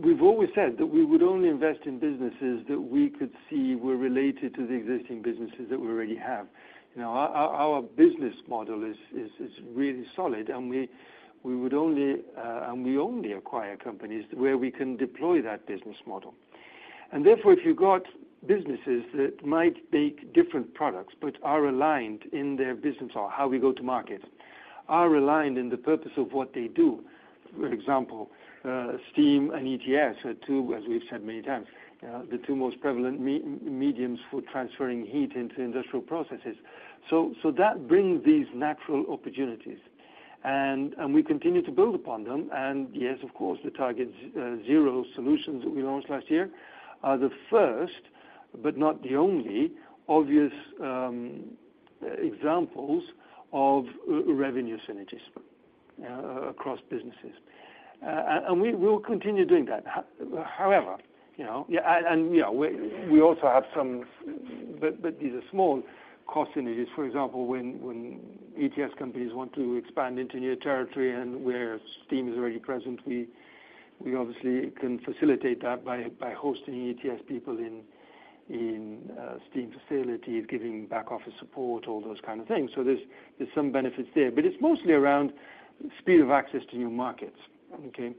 We've always said that we would only invest in businesses that we could see were related to the existing businesses that we already have. You know, our, our, our business model is, is, is really solid, and we, we would only, and we only acquire companies where we can deploy that business model. Therefore, if you've got businesses that might make different products but are aligned in their business or how we go to market, are aligned in the purpose of what they do, for example, steam and ETS are two, as we've said many times, the two most prevalent mediums for transferring heat into industrial processes. That brings these natural opportunities, and we continue to build upon them. Yes, of course, the TargetZero solutions that we launched last year are the first, but not the only, obvious examples of revenue synergies across businesses. We will continue doing that. However, you know, yeah, and, you know, we also have some, but these are small cost synergies. For example, when, when ETS companies want to expand into new territory and where steam is already present, we, we obviously can facilitate that by, by hosting ETS people in, in steam facilities, giving back office support, all those kind of things. There's, there's some benefits there. It's mostly around speed of access to new markets, okay?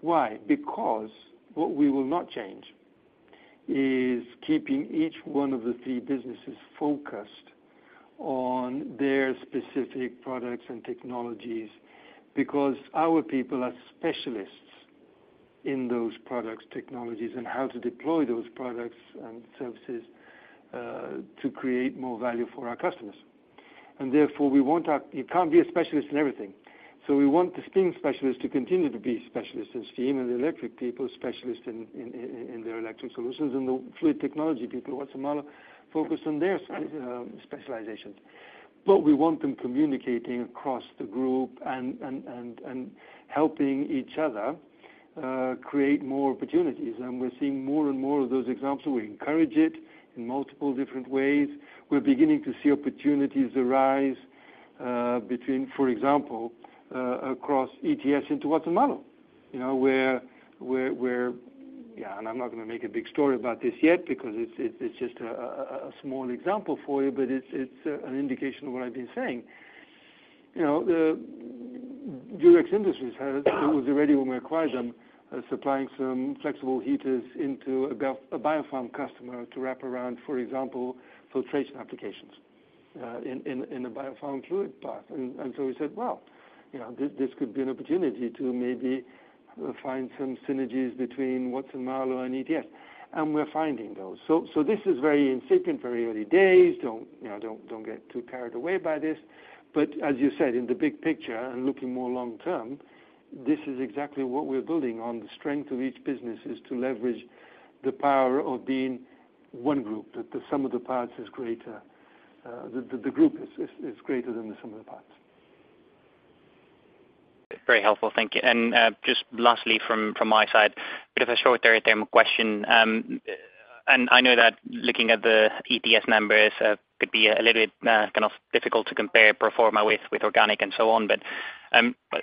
Why? Because what we will not change is keeping each one of the three businesses focused on their specific products and technologies, because our people are specialists in those products, technologies, and how to deploy those products and services, to create more value for our customers. Therefore, we want our-- you can't be a specialist in everything, so we want the steam specialists to continue to be specialists in steam and the electric people specialists in, in, in, in their electric solutions, and the fluid technology people, what's the model, focus on their specializations. We want them communicating across the group and, and, and, and helping each other, create more opportunities, and we're seeing more and more of those examples. We encourage it in multiple different ways. We're beginning to see opportunities arise, between, for example, across ETS into Watson-Marlow. You know, where, where, where, yeah, I'm not gonna make a big story about this yet because it's, it's, it's just a small example for you, but it's, it's, an indication of what I've been saying. You know, the Durex Industries had, it was already when we acquired them, supplying some flexible heaters into a biopharm customer to wrap around, for example, filtration applications, in a biopharm fluid path. We said, "Well, you know, this, this could be an opportunity to maybe find some synergies between Watson-Marlow and ETS," and we're finding those. This is very incipient, very early days. Don't, you know, don't, don't get too carried away by this. As you said, in the big picture and looking more long term, this is exactly what we're building on. The strength of each business is to leverage the power of being one group, that the sum of the parts is greater, the group is greater than the sum of the parts. Very helpful. Thank you. Just lastly from, from my side, bit of a short-term question. I know that looking at the ETS numbers could be a little bit kind of difficult to compare pro forma with, with organic and so on.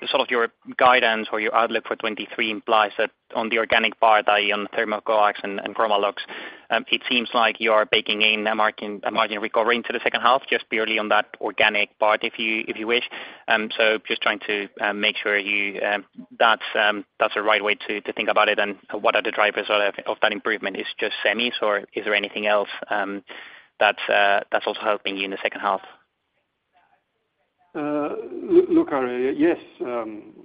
Sort of your guidance or your outlook for 2023 implies that on the organic part, i.e., on THERMOCOAX and Chromalox, it seems like you are baking in a margin recovery into the second half, just purely on that organic part, if you, if you wish. Just trying to make sure you that's that's the right way to think about it, and what are the drivers of that improvement? It's just semis, or is there anything else that's also helping you in the second half? Look, Aure, yes,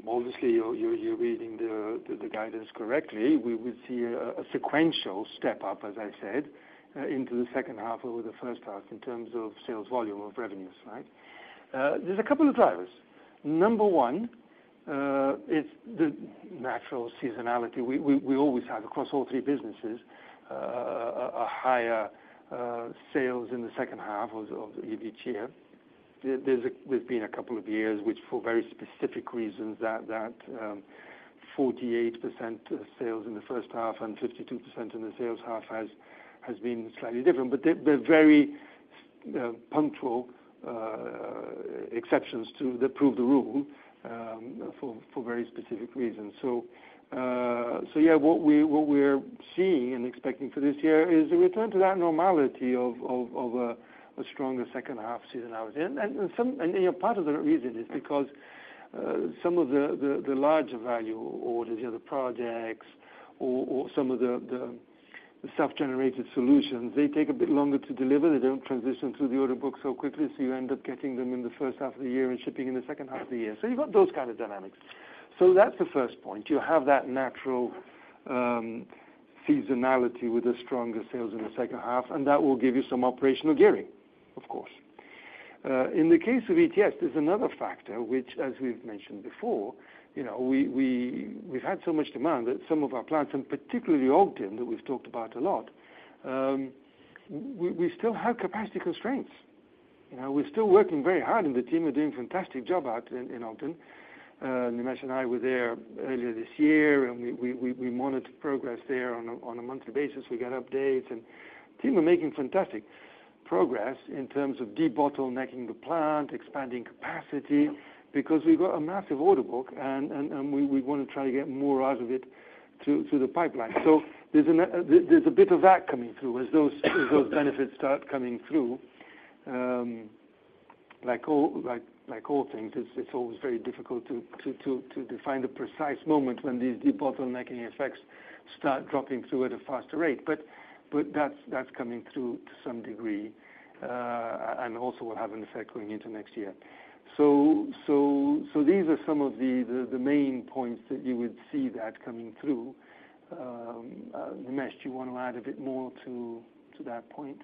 obviously, you're, you're, you're reading the, the, the guidance correctly. We will see a, a sequential step up, as I said, into the second half over the first half in terms of sales volume of revenues, right? There's a couple of drivers. Number one, it's the natural seasonality. We, we, we always have, across all three businesses a higher sales in the second half of each year. There's been a couple of years, which for very specific reasons, that, that, 48% sales in the first half and 52% in the sales half has, has been slightly different. They, they're very punctual exceptions to, that prove the rule, for very specific reasons. Yeah, what we, what we're seeing and expecting for this year is a return to that normality of a stronger second half seasonality. You know, part of the reason is because some of the, the, the larger value orders, you know, the projects or, or some of the, the, the self-generated solutions, they take a bit longer to deliver. They don't transition through the order book so quickly, so you end up getting them in the first half of the year and shipping in the second half of the year. You've got those kind of dynamics. That's the first point. You have that natural seasonality with the stronger sales in the second half, and that will give you some operational gearing, of course. In the case of ETS, there's another factor which, as we've mentioned before, you know, we, we, we've had so much demand that some of our plants, and particularly Ogden, that we've talked about a lot, we, we still have capacity constraints. You know, we're still working very hard, and the team are doing a fantastic job out in, in Ogden. Nimesh and I were there earlier this year, and we, we, we monitor progress there on a, on a monthly basis. We get updates, and the team are making fantastic progress in terms of debottlenecking the plant, expanding capacity, because we've got a massive order book, and, and, we, we wanna try to get more out of it through, through the pipeline. There's a bit of that coming through as those, as those benefits start coming through. Like all, like all things, it's always very difficult to define the precise moment when these debottlenecking effects start dropping through at a faster rate. But that's coming through to some degree and also will have an effect going into next year. These are some of the main points that you would see that coming through. Nimesh, do you want to add a bit more to that point?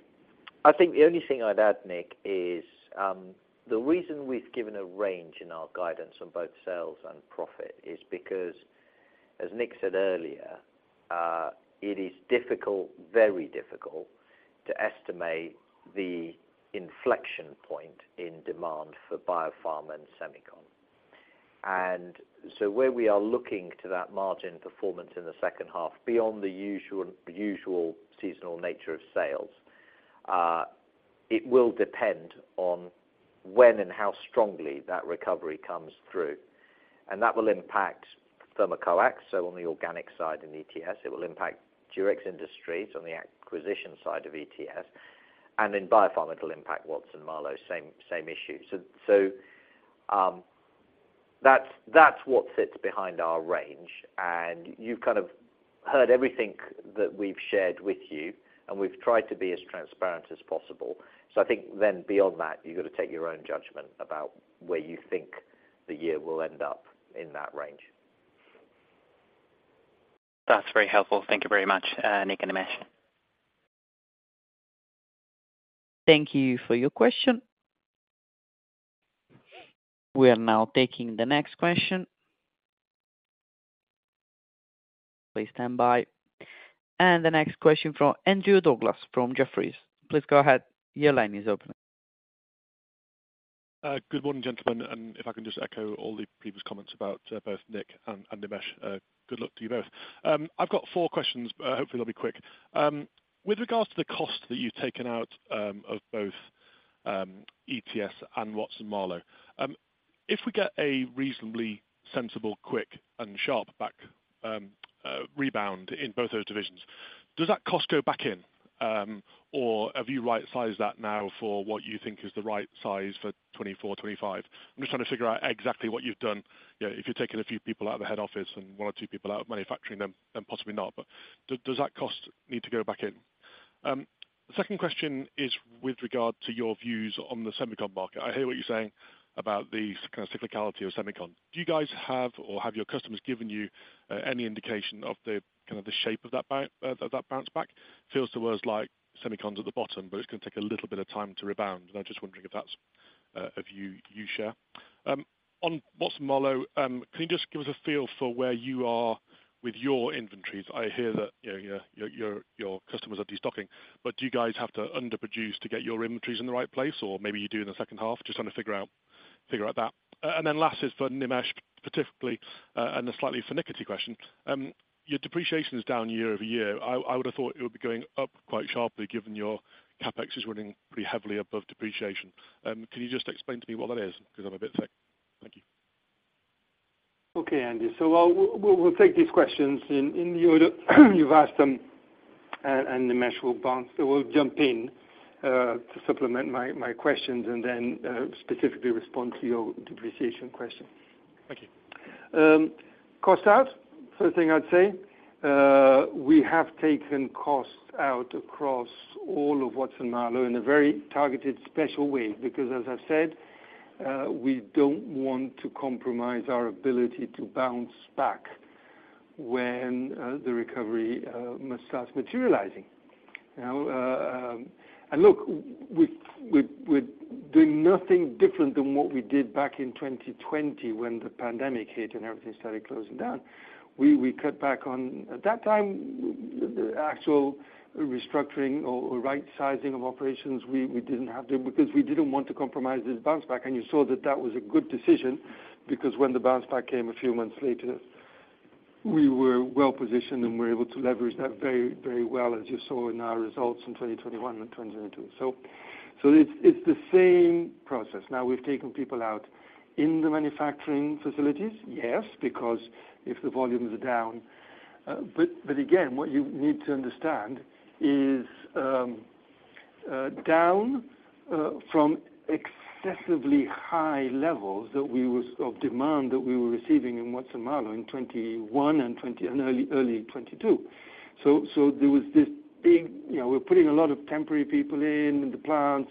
I think the only thing I'd add, Nick, is, the reason we've given a range in our guidance on both sales and profit is because, as Nick said earlier, it is difficult, very difficult, to estimate the inflection point in demand for biopharm and semicon. So where we are looking to that margin performance in the second half, beyond the usual, usual seasonal nature of sales, it will depend on when and how strongly that recovery comes through. That will impact THERMOCOAX, so on the organic side, in ETS, it will impact Durex Industries on the acquisition side of ETS, and in biopharm, it'll impact Watson-Marlow, same, same issue. That's, that's what sits behind our range, and you've kind of heard everything that we've shared with you, and we've tried to be as transparent as possible. I think then beyond that, you've got to take your own judgment about where you think the year will end up in that range. That's very helpful. Thank you very much, Nick and Nimesh. Thank you for your question. We are now taking the next question. Please stand by. The next question from Andrew Douglas from Jefferies. Please go ahead. Your line is open. Good morning, gentlemen, if I can just echo all the previous comments about both Nick and Nimesh, good luck to you both. I've got four questions, but hopefully they'll be quick. With regards to the cost that you've taken out of both ETS and Watson-Marlow, if we get a reasonably sensible, quick and sharp back rebound in both those divisions, does that cost go back in? Or have you right-sized that now for what you think is the right size for 2024, 2025? I'm just trying to figure out exactly what you've done. Yeah, if you're taking a few people out of the head office and one or two people out of manufacturing, then, then possibly not. Does that cost need to go back in? The second question is with regard to your views on the semicon market. I hear what you're saying about the kind of cyclicality of semicon. Do you guys have or have your customers given you any indication of the, kind of the shape of that bounce back? Feels to us like semicon's at the bottom, but it's gonna take a little bit of time to rebound, and I'm just wondering if that's a view you share. On Watson-Marlow, can you just give us a feel for where you are with your inventories? I hear that, you know, your, your, your customers are destocking, but do you guys have to underproduce to get your inventories in the right place, or maybe you do in the second half? Just trying to figure out, figure out that. Then last is for Nimesh, specifically, and a slightly finickity question. Your depreciation is down year-over-year. I would have thought it would be going up quite sharply, given your CapEx is running pretty heavily above depreciation. Can you just explain to me what that is? Because I'm a bit thick. Thank you. Okay, Andy. We'll take these questions in the order you've asked them, and Nimesh will bounce. We'll jump in to supplement my questions and then specifically respond to your depreciation question. Thank you. Cost out. First thing I'd say, we have taken costs out across all of Watson-Marlow in a very targeted, special way. Because, as I've said, we don't want to compromise our ability to bounce back when the recovery starts materializing. You know, and look, we're doing nothing different than what we did back in 2020, when the pandemic hit and everything started closing down. We, we cut back on. At that time, the actual restructuring or right-sizing of operations, we didn't have to because we didn't want to compromise this bounce back, and you saw that that was a good decision, because when the bounce back came a few months later, we were well-positioned and we were able to leverage that very, very well, as you saw in our results in 2021 and 2022. It's, it's the same process. Now, we've taken people out in the manufacturing facilities, yes, because if the volumes are down. Again, what you need to understand is, down from excessively high levels of demand that we were receiving in Watson-Marlow in 2021 and early 2022. There was this, you know, we're putting a lot of temporary people in, in the plants,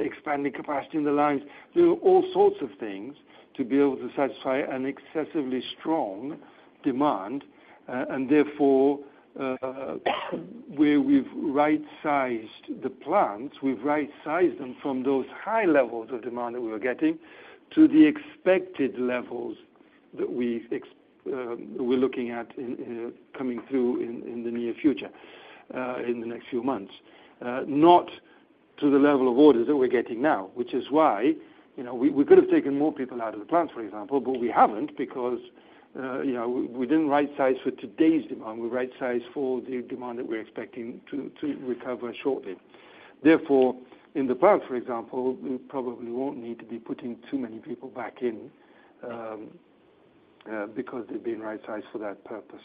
expanding capacity in the lines. There were all sorts of things to be able to satisfy an excessively strong demand, and therefore, where we've right-sized the plants, we've right-sized them from those high levels of demand that we were getting to the expected levels that we we're looking at in, in coming through in, in the near future, in the next few months. Not to the level of orders that we're getting now, which is why, you know, we, we could have taken more people out of the plant, for example, but we haven't because, you know, we, we didn't rightsize for today's demand. We rightsized for the demand that we're expecting to, to recover shortly. Therefore, in the plant, for example, we probably won't need to be putting too many people back in, because they've been rightsized for that purpose.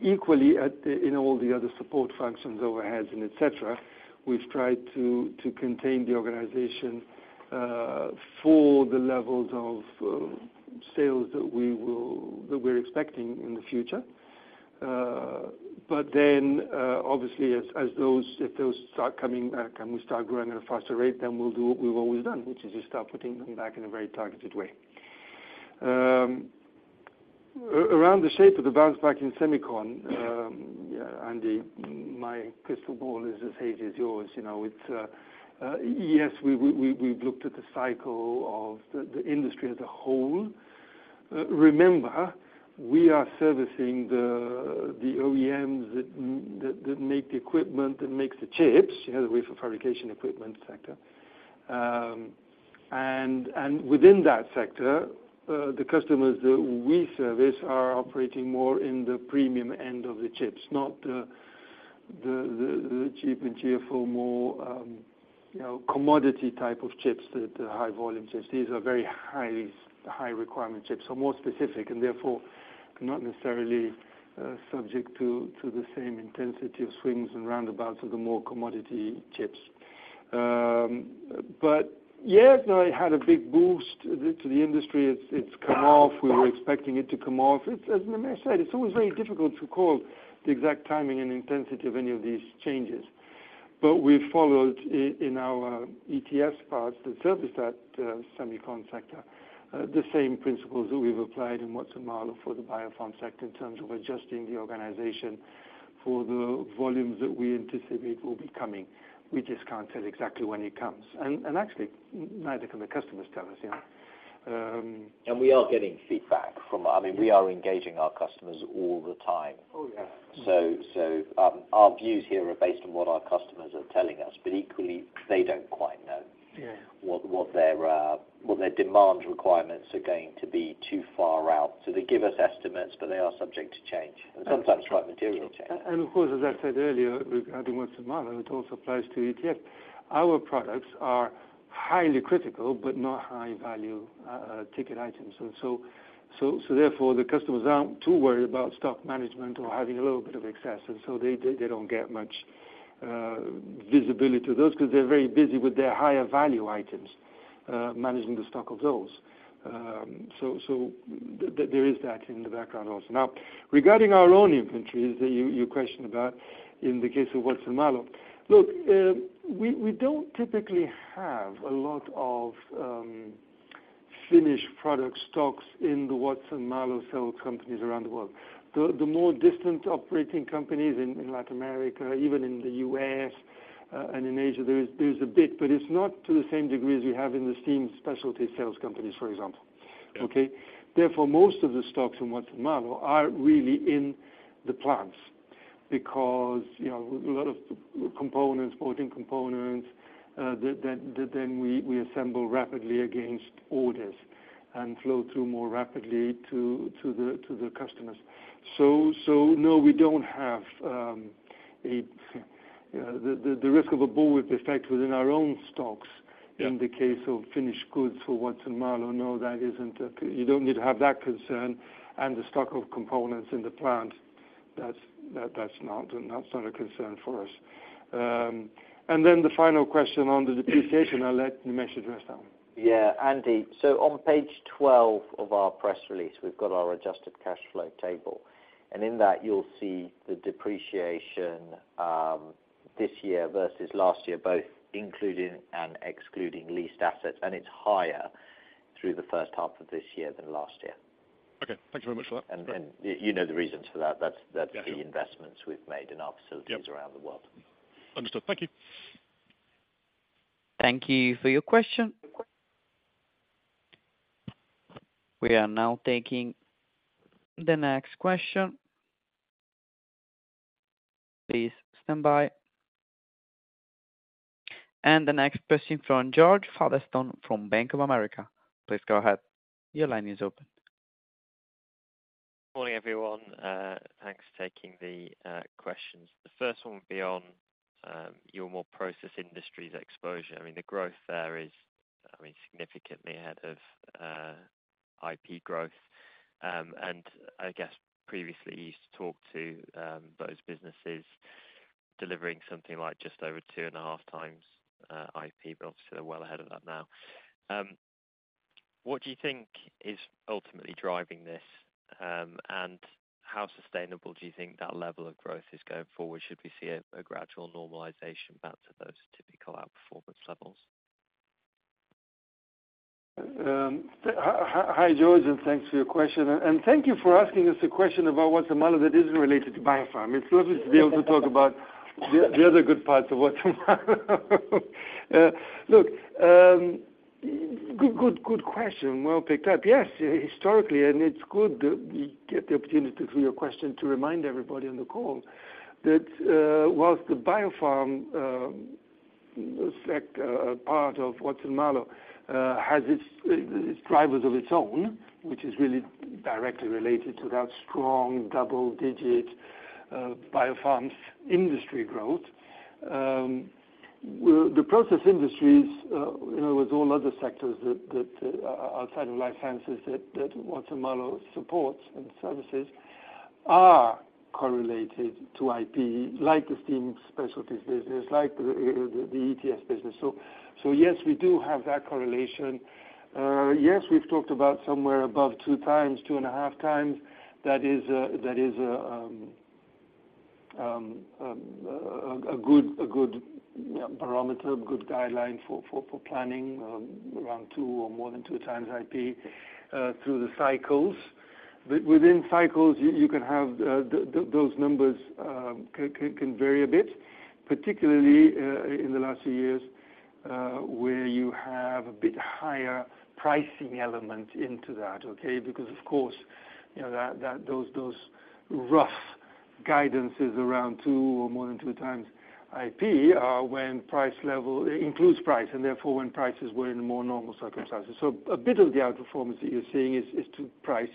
Equally, at the, in all the other support functions, overheads, and et cetera, we've tried to, to contain the organization, for the levels of sales that we're expecting in the future. Then, obviously, as if those start coming back and we start growing at a faster rate, then we'll do what we've always done, which is just start putting them back in a very targeted way. Around the shape of the bounce back in semicon, yeah, Andy, my crystal ball is as hazy as yours. You know, it's. Yes, we've looked at the cycle of the industry as a whole. Remember, we are servicing the OEMs that make the equipment, that makes the chips, you know, the wafer fabrication equipment sector. Within that sector, the customers that we service are operating more in the premium end of the chips, not the cheap and cheerful, more, you know, commodity type of chips, the high-volume chips. These are very high, high requirement chips, so more specific, and therefore, not necessarily subject to the same intensity of swings and roundabouts of the more commodity chips. Yes, now it had a big boost to the industry. It's, it's come off. We were expecting it to come off. It's, as Nimesh said, it's always very difficult to call the exact timing and intensity of any of these changes. We followed in our ETS parts that service that semicon sector, the same principles that we've applied in Watson-Marlow for the biopharm sector in terms of adjusting the organization for the volumes that we anticipate will be coming. We just can't tell exactly when it comes. And actually, neither can the customers tell us, you know? We are getting feedback from, I mean, we are engaging our customers all the time. Oh, yeah. Our views here are based on what our customers are telling us, but equally, they don't quite know. Yeah What their, what their demand requirements are going to be too far out. They give us estimates, but they are subject to change, and sometimes quite material change. Of course, as I said earlier, regarding Watson-Marlow, it also applies to ETS. Our products are highly critical, but not high-value ticket items. Therefore, the customers aren't too worried about stock management or having a little bit of excess, so they don't get much visibility to those because they're very busy with their higher value items managing the stock of those. So there is that in the background also. Now, regarding our own inventories that you questioned about in the case of Watson-Marlow. Look, we don't typically have a lot of finished product stocks in the Watson-Marlow sales companies around the world. The more distant operating companies in, in Latin America, even in the U.S., and in Asia, there is, there is a bit, but it's not to the same degree as you have in the Steam Specialties sales companies, for example. Yeah. Okay? Therefore, most of the stocks in Watson-Marlow are really in the plants because, you know, a lot of components, bought-in components, that then we assemble rapidly against orders and flow through more rapidly to the customers. No, we don't have a risk of a bullwhip effect within our own stocks. Yeah in the case of finished goods for Watson-Marlow. No, you don't need to have that concern and the stock of components in the plant. That's not, that's not a concern for us. Then the final question on the depreciation, I'll let Nimesh address that one. Yeah, Andy, so on page 12 of our press release, we've got our adjusted cash flow table. In that, you'll see the depreciation, this year versus last year, both including and excluding leased assets, and it's higher through the first half of this year than last year. Okay. Thank you very much for that. And you, you know the reasons for that. Yeah. That's the investments we've made in our facilities. Yep Around the world. Understood. Thank you. Thank you for your question. We are now taking the next question. Please standby. The next person from George Featherstone from Bank of America. Please go ahead. Your line is open. Morning, everyone. Thanks for taking the questions. The first one will be on your more process industries exposure. I mean, the growth there is, I mean, significantly ahead of IP growth. I guess previously, you talked to those businesses delivering something like just over 2.5x IP, but obviously, they're well ahead of that now. What do you think is ultimately driving this? How sustainable do you think that level of growth is going forward? Should we see a gradual normalization back to those typical outperformance levels? Hi, George, thanks for your question. Thank you for asking us a question about Watson-Marlow that isn't related to biopharm. It's lovely to be able to talk about the other good parts of Watson-Marlow. Look, good question. Well picked up. Yes, historically, it's good that we get the opportunity through your question to remind everybody on the call, that whilst the biopharm sec part of Watson-Marlow has its drivers of its own, which is really directly related to that strong double-digit biopharm's industry growth. Well, the process industries, you know, with all other sectors outside of life sciences, that Watson-Marlow supports and services, are correlated to IP, like the Steam Specialties business, like the ETS business. Yes, we do have that correlation. Yes, we've talked about somewhere above 2x, 2.5x. That is, a good, a good parameter, a good guideline for, for, for planning, around 2x or more than 2x IP through the cycles. Within cycles, you can have those numbers can vary a bit, particularly in the last few years where you have a bit higher pricing element into that, okay? Of course, you know, that, that, those, those rough guidances around 2x or more than 2x IP, are when price level includes price, and therefore, when prices were in more normal circumstances. A bit of the outperformance that you're seeing is, is to price.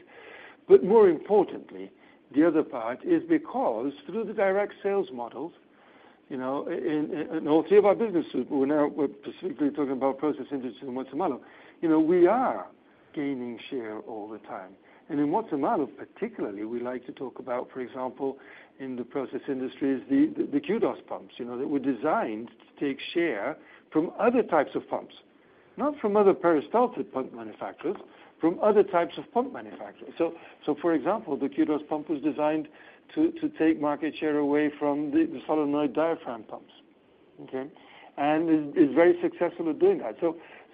More importantly, the other part is because through the direct sales models, you know, in, in all three of our businesses, we're now, we're specifically talking about process industry in Watson-Marlow. You know, we are gaining share all the time. In Watson-Marlow, particularly, we like to talk about, for example, in the process industries, the, the Qdos pumps, you know, that were designed to take share from other types of pumps. Not from other peristaltic pump manufacturers, from other types of pump manufacturers. So for example, the Qdos pump was designed to, to take market share away from the, the solenoid diaphragm pumps, okay? Is very successful at doing that.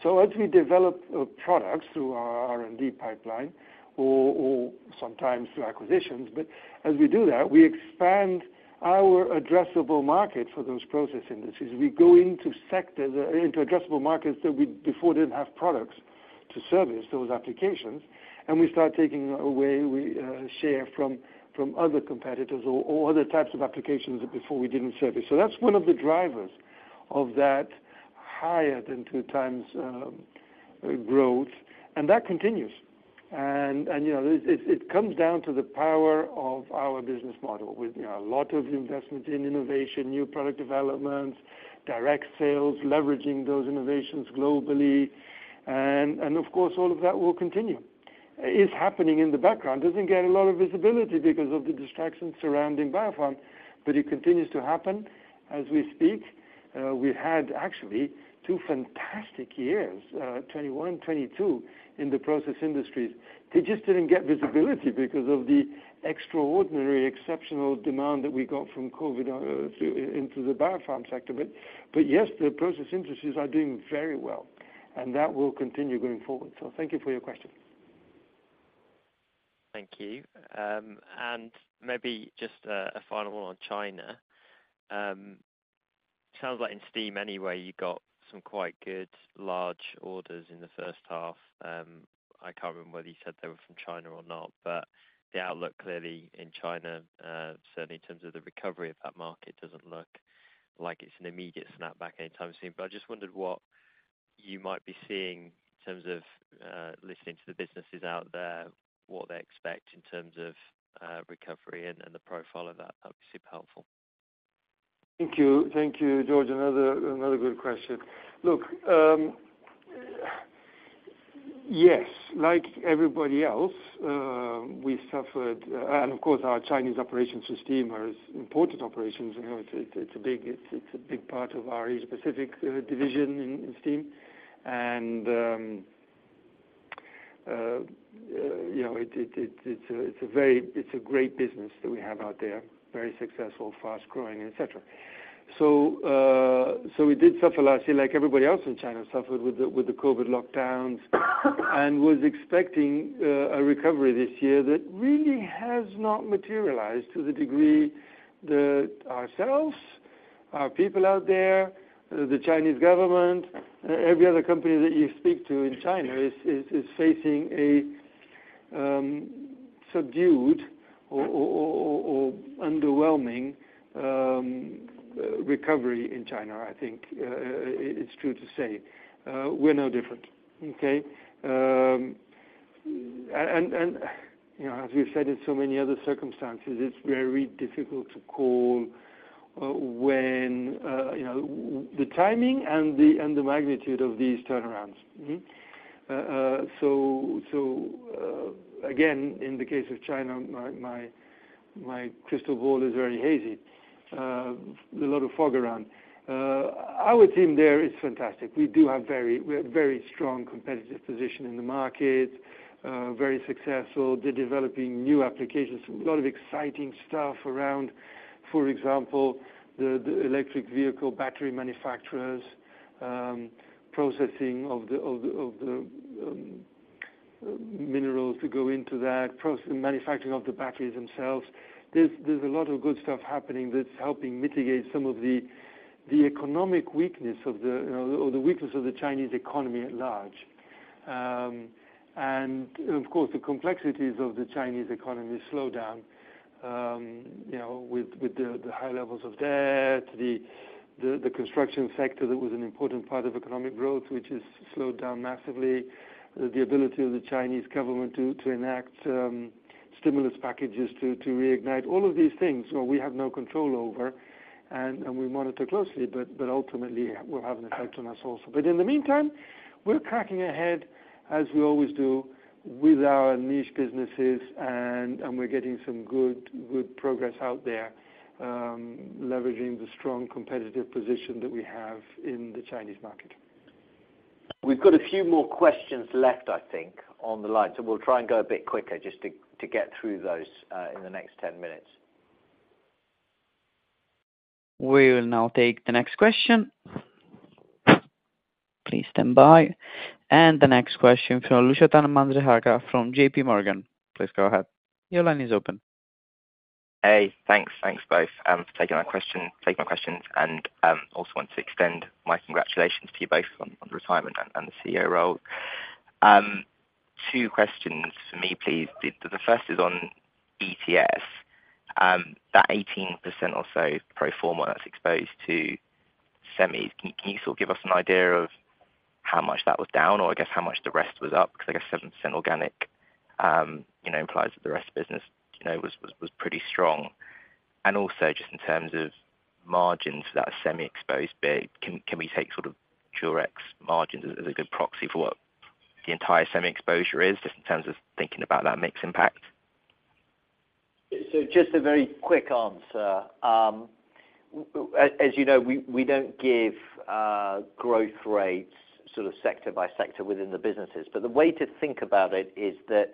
So as we develop products through our R&D pipeline, or sometimes through acquisitions, but as we do that, we expand our addressable market for those process industries. We go into sectors, into addressable markets that we before didn't have products to service those applications, and we start taking away, we share from, from other competitors or, or other types of applications that before we didn't service. That's one of the drivers of that higher than 2x growth, and that continues. You know, it, it, it comes down to the power of our business model with, you know, a lot of investment in innovation, new product developments, direct sales, leveraging those innovations globally, of course, all of that will continue. It's happening in the background. Doesn't get a lot of visibility because of the distraction surrounding biopharm, but it continues to happen as we speak. We had actually two fantastic years, 2021 and 2022, in the process industries. They just didn't get visibility because of the extraordinary exceptional demand that we got from COVID, through, into the biopharm sector. But yes, the process industries are doing very well, and that will continue going forward. Thank you for your question. Thank you. Maybe just a final one on China. Sounds like in steam anyway, you got some quite good large orders in the first half. I can't remember whether you said they were from China or not, but the outlook clearly in China, certainly in terms of the recovery of that market, doesn't look like it's an immediate snapback anytime soon. I just wondered what you might be seeing in terms of listening to the businesses out there, what they expect in terms of recovery and the profile of that, that would be super helpful. Thank you. Thank you, George. Another, another good question. Look, yes, like everybody else, we suffered. Of course, our Chinese operations with steam are as important operations. You know, it's, it's a big, it's, it's a big part of our Asia-Pacific division in, in steam. You know, it's a great business that we have out there. Very successful, fast growing, et cetera. So we did suffer last year, like everybody else in China suffered with the, with the COVID lockdowns, and was expecting a recovery this year that really has not materialized to the degree that ourselves, our people out there, the Chinese government, every other company that you speak to in China is facing a subdued or underwhelming recovery in China, I think it's true to say. We're no different, okay? You know, as we've said in so many other circumstances, it's very difficult to call when, you know, the timing and the, and the magnitude of these turnarounds. Again, in the case of China, my crystal ball is very hazy. A lot of fog around. Our team there is fantastic. We do have very, we have very strong competitive position in the market, very successful. They're developing new applications, a lot of exciting stuff around, for example, the, the electric vehicle battery manufacturers, processing of the, of the, of the minerals to go into that process, manufacturing of the batteries themselves. There's, there's a lot of good stuff happening that's helping mitigate some of the, the economic weakness of the, or the weakness of the Chinese economy at large. Of course, the complexities of the Chinese economy slow down, you know, with the high levels of debt, the, the, the construction sector that was an important part of economic growth, which has slowed down massively, the ability of the Chinese government to, to enact stimulus packages to, to reignite all of these things. We have no control over, and, and we monitor closely, but, but ultimately, will have an effect on us also. In the meantime, we're cracking ahead as we always do with our niche businesses, and, and we're getting some good, good progress out there, leveraging the strong competitive position that we have in the Chinese market. We've got a few more questions left, I think, on the line, so we'll try and go a bit quicker just to, to get through those, in the next 10 minutes. We will now take the next question. Please stand by. The next question from Lushanthan Mahendrarajah from JPMorgan. Please go ahead. Your line is open. Hey, thanks. Thanks both, for taking my questions, and also want to extend my congratulations to you both on the retirement and the CEO role. Two questions for me, please. The first is on ETS. That 18% or so pro forma that's exposed to semis. Can you sort of give us an idea of how much that was down, or I guess, how much the rest was up? Because I guess 7% organic, you know, implies that the rest of business, you know, was pretty strong. And also, just in terms of margins that are semi-exposed big, can we take sort of Durex margins as a good proxy for what the entire semi exposure is, just in terms of thinking about that mix impact? Just a very quick answer. As you know, we don't give growth rates sort of sector by sector within the businesses. The way to think about it is that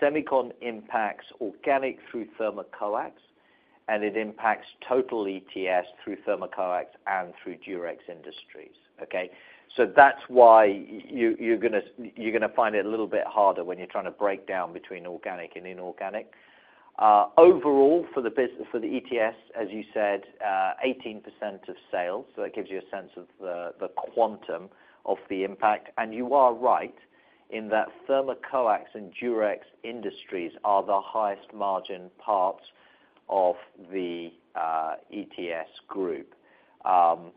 semicon impacts organic through THERMOCOAX, and it impacts total ETS through THERMOCOAX and through Durex Industries, okay? That's why you, you're gonna, you're gonna find it a little bit harder when you're trying to break down between organic and inorganic. Overall, for the ETS, as you said, 18% of sales, that gives you a sense of the quantum of the impact. You are right, in that THERMOCOAX and Durex Industries are the highest margin parts of the ETS group.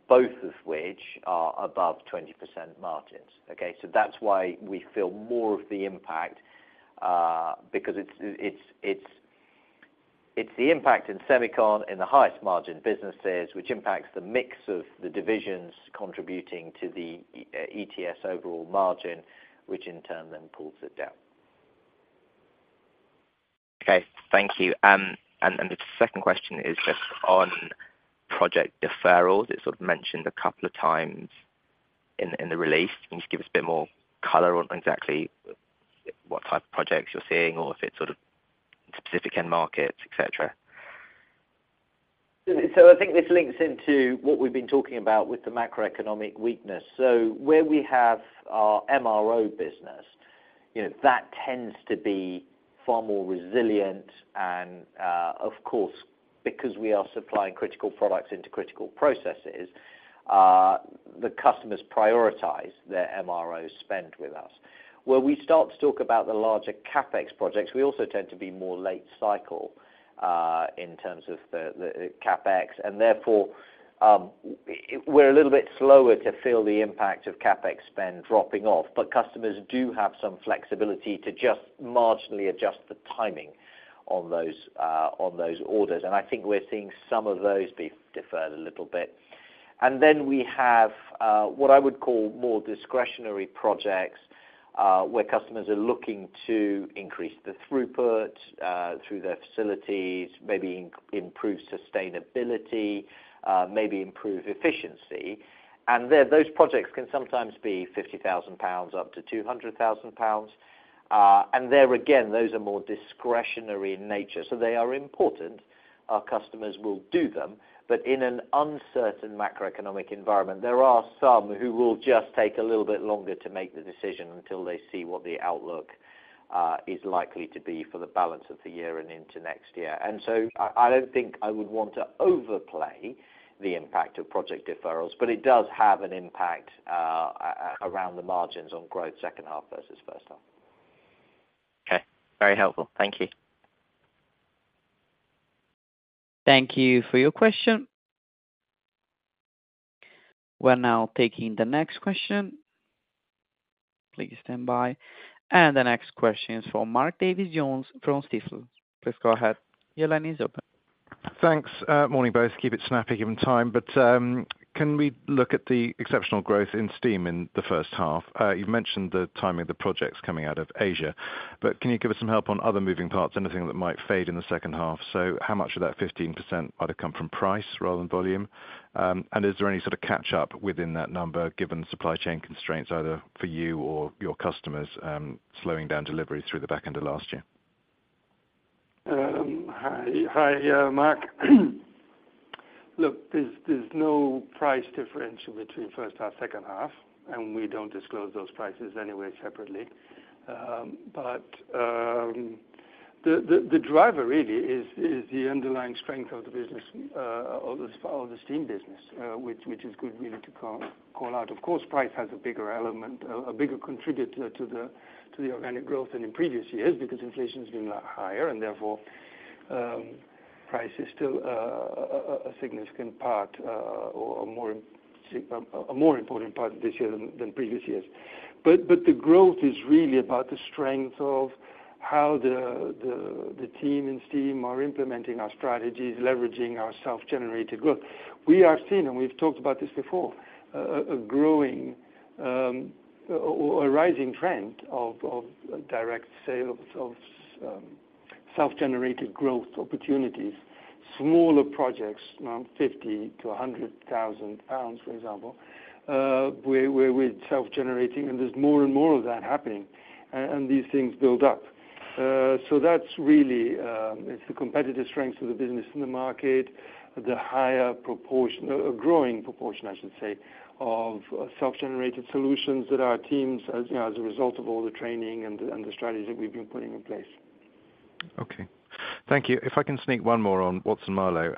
Both of which are above 20% margins, okay? That's why we feel more of the impact, because it's the impact in semicon, in the highest margin businesses, which impacts the mix of the divisions contributing to the ETS overall margin, which in turn then pulls it down. Okay, thank you. The second question is just on project deferrals. It sort of mentioned a couple of times in the release. Can you just give us a bit more color on exactly what type of projects you're seeing, or if it's sort of specific end markets, et cetera? I think this links into what we've been talking about with the macroeconomic weakness. Where we have our MRO business, you know, that tends to be far more resilient and, of course, because we are supplying critical products into critical processes, the customers prioritize their MRO spend with us. Where we start to talk about the larger CapEx projects, we also tend to be more late cycle, in terms of the CapEx, and therefore, we're a little bit slower to feel the impact of CapEx spend dropping off, but customers do have some flexibility to just marginally adjust the timing on those orders. I think we're seeing some of those be deferred a little bit. We have what I would call more discretionary projects, where customers are looking to increase the throughput through their facilities, maybe improve sustainability, maybe improve efficiency. Those projects can sometimes be 50,000 pounds up to 200,000 pounds. There again, those are more discretionary in nature, so they are important. Our customers will do them, but in an uncertain macroeconomic environment, there are some who will just take a little bit longer to make the decision until they see what the outlook is likely to be for the balance of the year and into next year. I don't think I would want to overplay the impact of project deferrals, but it does have an impact around the margins on growth second half versus first half. Okay. Very helpful. Thank you. Thank you for your question. We're now taking the next question. Please stand by. The next question is for Mark Davies Jones from Stifel. Please go ahead. Your line is open. Thanks, morning, both, keep it snappy given time, can we look at the exceptional growth in steam in the first half? You've mentioned the timing of the projects coming out of Asia, can you give us some help on other moving parts, anything that might fade in the second half? How much of that 15% might have come from price rather than volume? Is there any sort of catch up within that number, given supply chain constraints, either for you or your customers, slowing down deliveries through the back end of last year? Hi, hi, Mark. Look, there's no price differential between first half, second half, and we don't disclose those prices anyway separately. The driver really is the underlying strength of the business, of the steam business, which is good, really, to call out. Of course, price has a bigger element, a bigger contributor to the organic growth than in previous years, because inflation's been a lot higher, and therefore, price is still a significant part, or a more important part this year than previous years. The growth is really about the strength of how the team in steam are implementing our strategies, leveraging our self-generated growth. We are seeing, and we've talked about this before, a growing, or a rising trend of direct sales of self-generated growth opportunities. Smaller projects, around 50,000-100,000 pounds, for example, where, where we're self-generating, and there's more and more of that happening, and these things build up. That's really, it's the competitive strength of the business in the market, the higher proportion, a growing proportion, I should say, of self-generated solutions that our teams, as, you know, as a result of all the training and the, and the strategies that we've been putting in place. Okay. Thank you. If I can sneak one more on Watson-Marlow.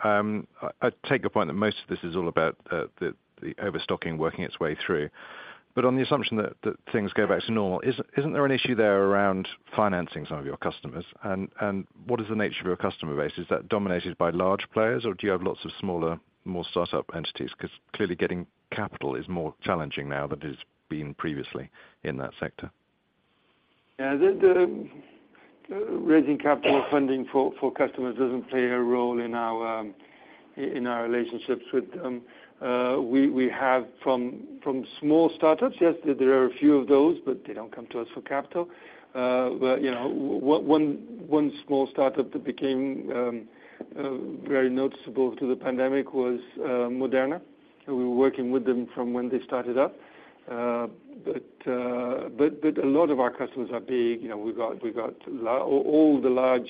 I take your point that most of this is all about the, the overstocking working its way through. On the assumption that, that things go back to normal, is, isn't there an issue there around financing some of your customers? What is the nature of your customer base? Is that dominated by large players, or do you have lots of smaller, more startup entities? 'Cause clearly getting capital is more challenging now than it's been previously in that sector. Yeah, the, the, raising capital or funding for, for customers doesn't play a role in our in our relationships with them. We, we have from, from small startups, yes, there are a few of those, but they don't come to us for capital. But, you know, one, one small startup that became very noticeable to the pandemic was Moderna. We were working with them from when they started up. But, but a lot of our customers are big. You know, we've got, we've got all the large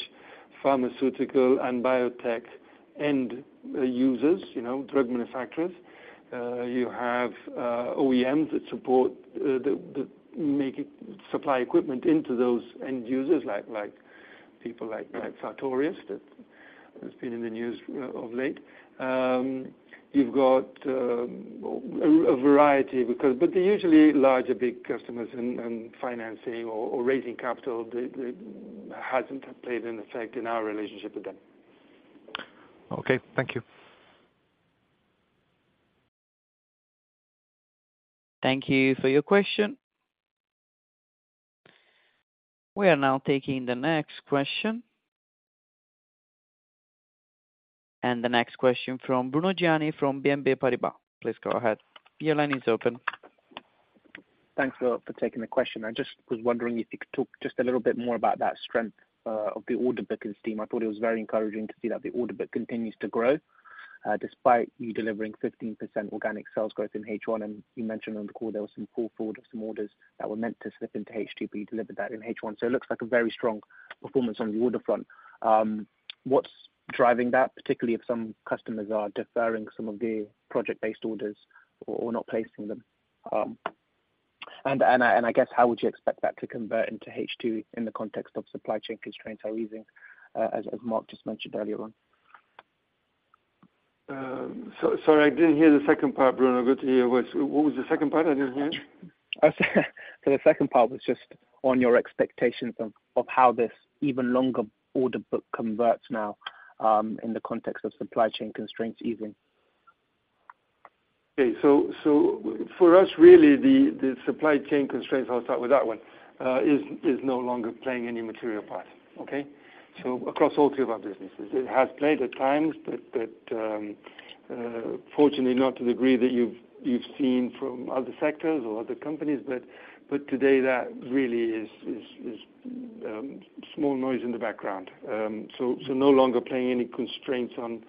pharmaceutical and biotech end users, you know, drug manufacturers. You have OEMs that support the making. Supply equipment into those end users, like people like Sartorius, that has been in the news of late. You've got a variety, because, but they're usually larger, big customers, and financing or raising capital, hasn't played an effect in our relationship with them. Okay, thank you. Thank you for your question. We are now taking the next question. The next question from Bruno Gjani from BNP Paribas. Please go ahead. Your line is open. Thanks a lot for taking the question. I just was wondering if you could talk just a little bit more about that strength of the order book in steam. I thought it was very encouraging to see that the order book continues to grow despite you delivering 15% organic sales growth in H1. You mentioned on the call there was some pull forward of some orders that were meant to slip into H2, but you delivered that in H1. It looks like a very strong performance on the order front. What's driving that, particularly if some customers are deferring some of the project-based orders or, or not placing them? I, and I guess, how would you expect that to convert into H2 in the context of supply chain constraints are easing as Mark just mentioned earlier on? Sorry, I didn't hear the second part, Bruno. Good to hear. What was the second part? I didn't hear it. The second part was just on your expectations of, of how this even longer order book converts now, in the context of supply chain constraints easing. For us, really, the, the supply chain constraints, I'll start with that one, is, is no longer playing any material part. Okay? Across all three of our businesses, it has played at times, but, but fortunately not to the degree that you've, you've seen from other sectors or other companies. But today that really is, is, is small noise in the background. So no longer playing any constraints from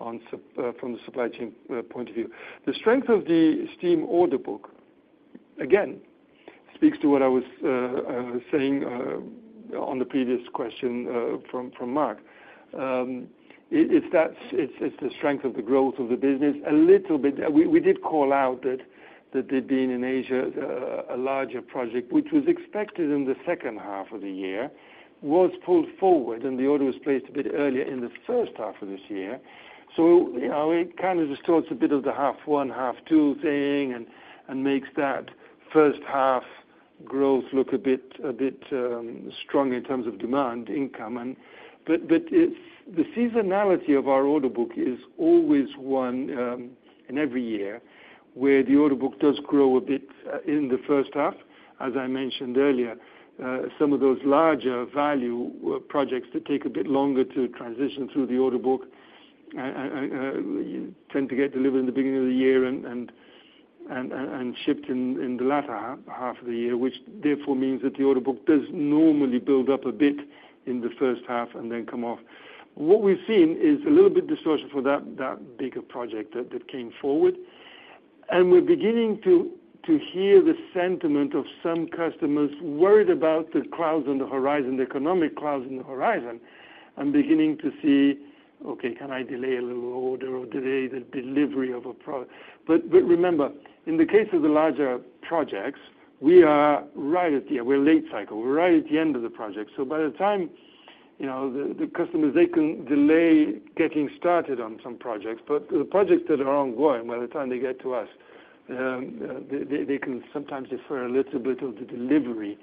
the supply chain point of view. The strength of the steam order book, again, speaks to what I was saying on the previous question from Mark. It's the strength of the growth of the business. A little bit, we, we did call out that, that there'd been in Asia, a larger project, which was expected in the second half of the year, was pulled forward, and the order was placed a bit earlier in the first half of this year. You know, it kind of distorts a bit of the half one, half two thing, and, and makes that first half growth look a bit, a bit, strong in terms of demand income. But, but it's, the seasonality of our order book is always one, in every year, where the order book does grow a bit, in the first half, as I mentioned earlier. Some of those larger value projects that take a bit longer to transition through the order book tend to get delivered in the beginning of the year and shipped in the latter half of the year, which therefore means that the order book does normally build up a bit in the first half and then come off. What we've seen is a little bit distortion for that, that bigger project that, that came forward. We're beginning to hear the sentiment of some customers worried about the clouds on the horizon, the economic clouds on the horizon, and beginning to see, "Okay, can I delay a little order or delay the delivery of a product?" Remember, in the case of the larger projects, we are right at the, we're late cycle. We're right at the end of the project. By the time, you know, the, the customers, they can delay getting started on some projects, but the projects that are ongoing, by the time they get to us, they, they, they can sometimes defer a little bit of the delivery,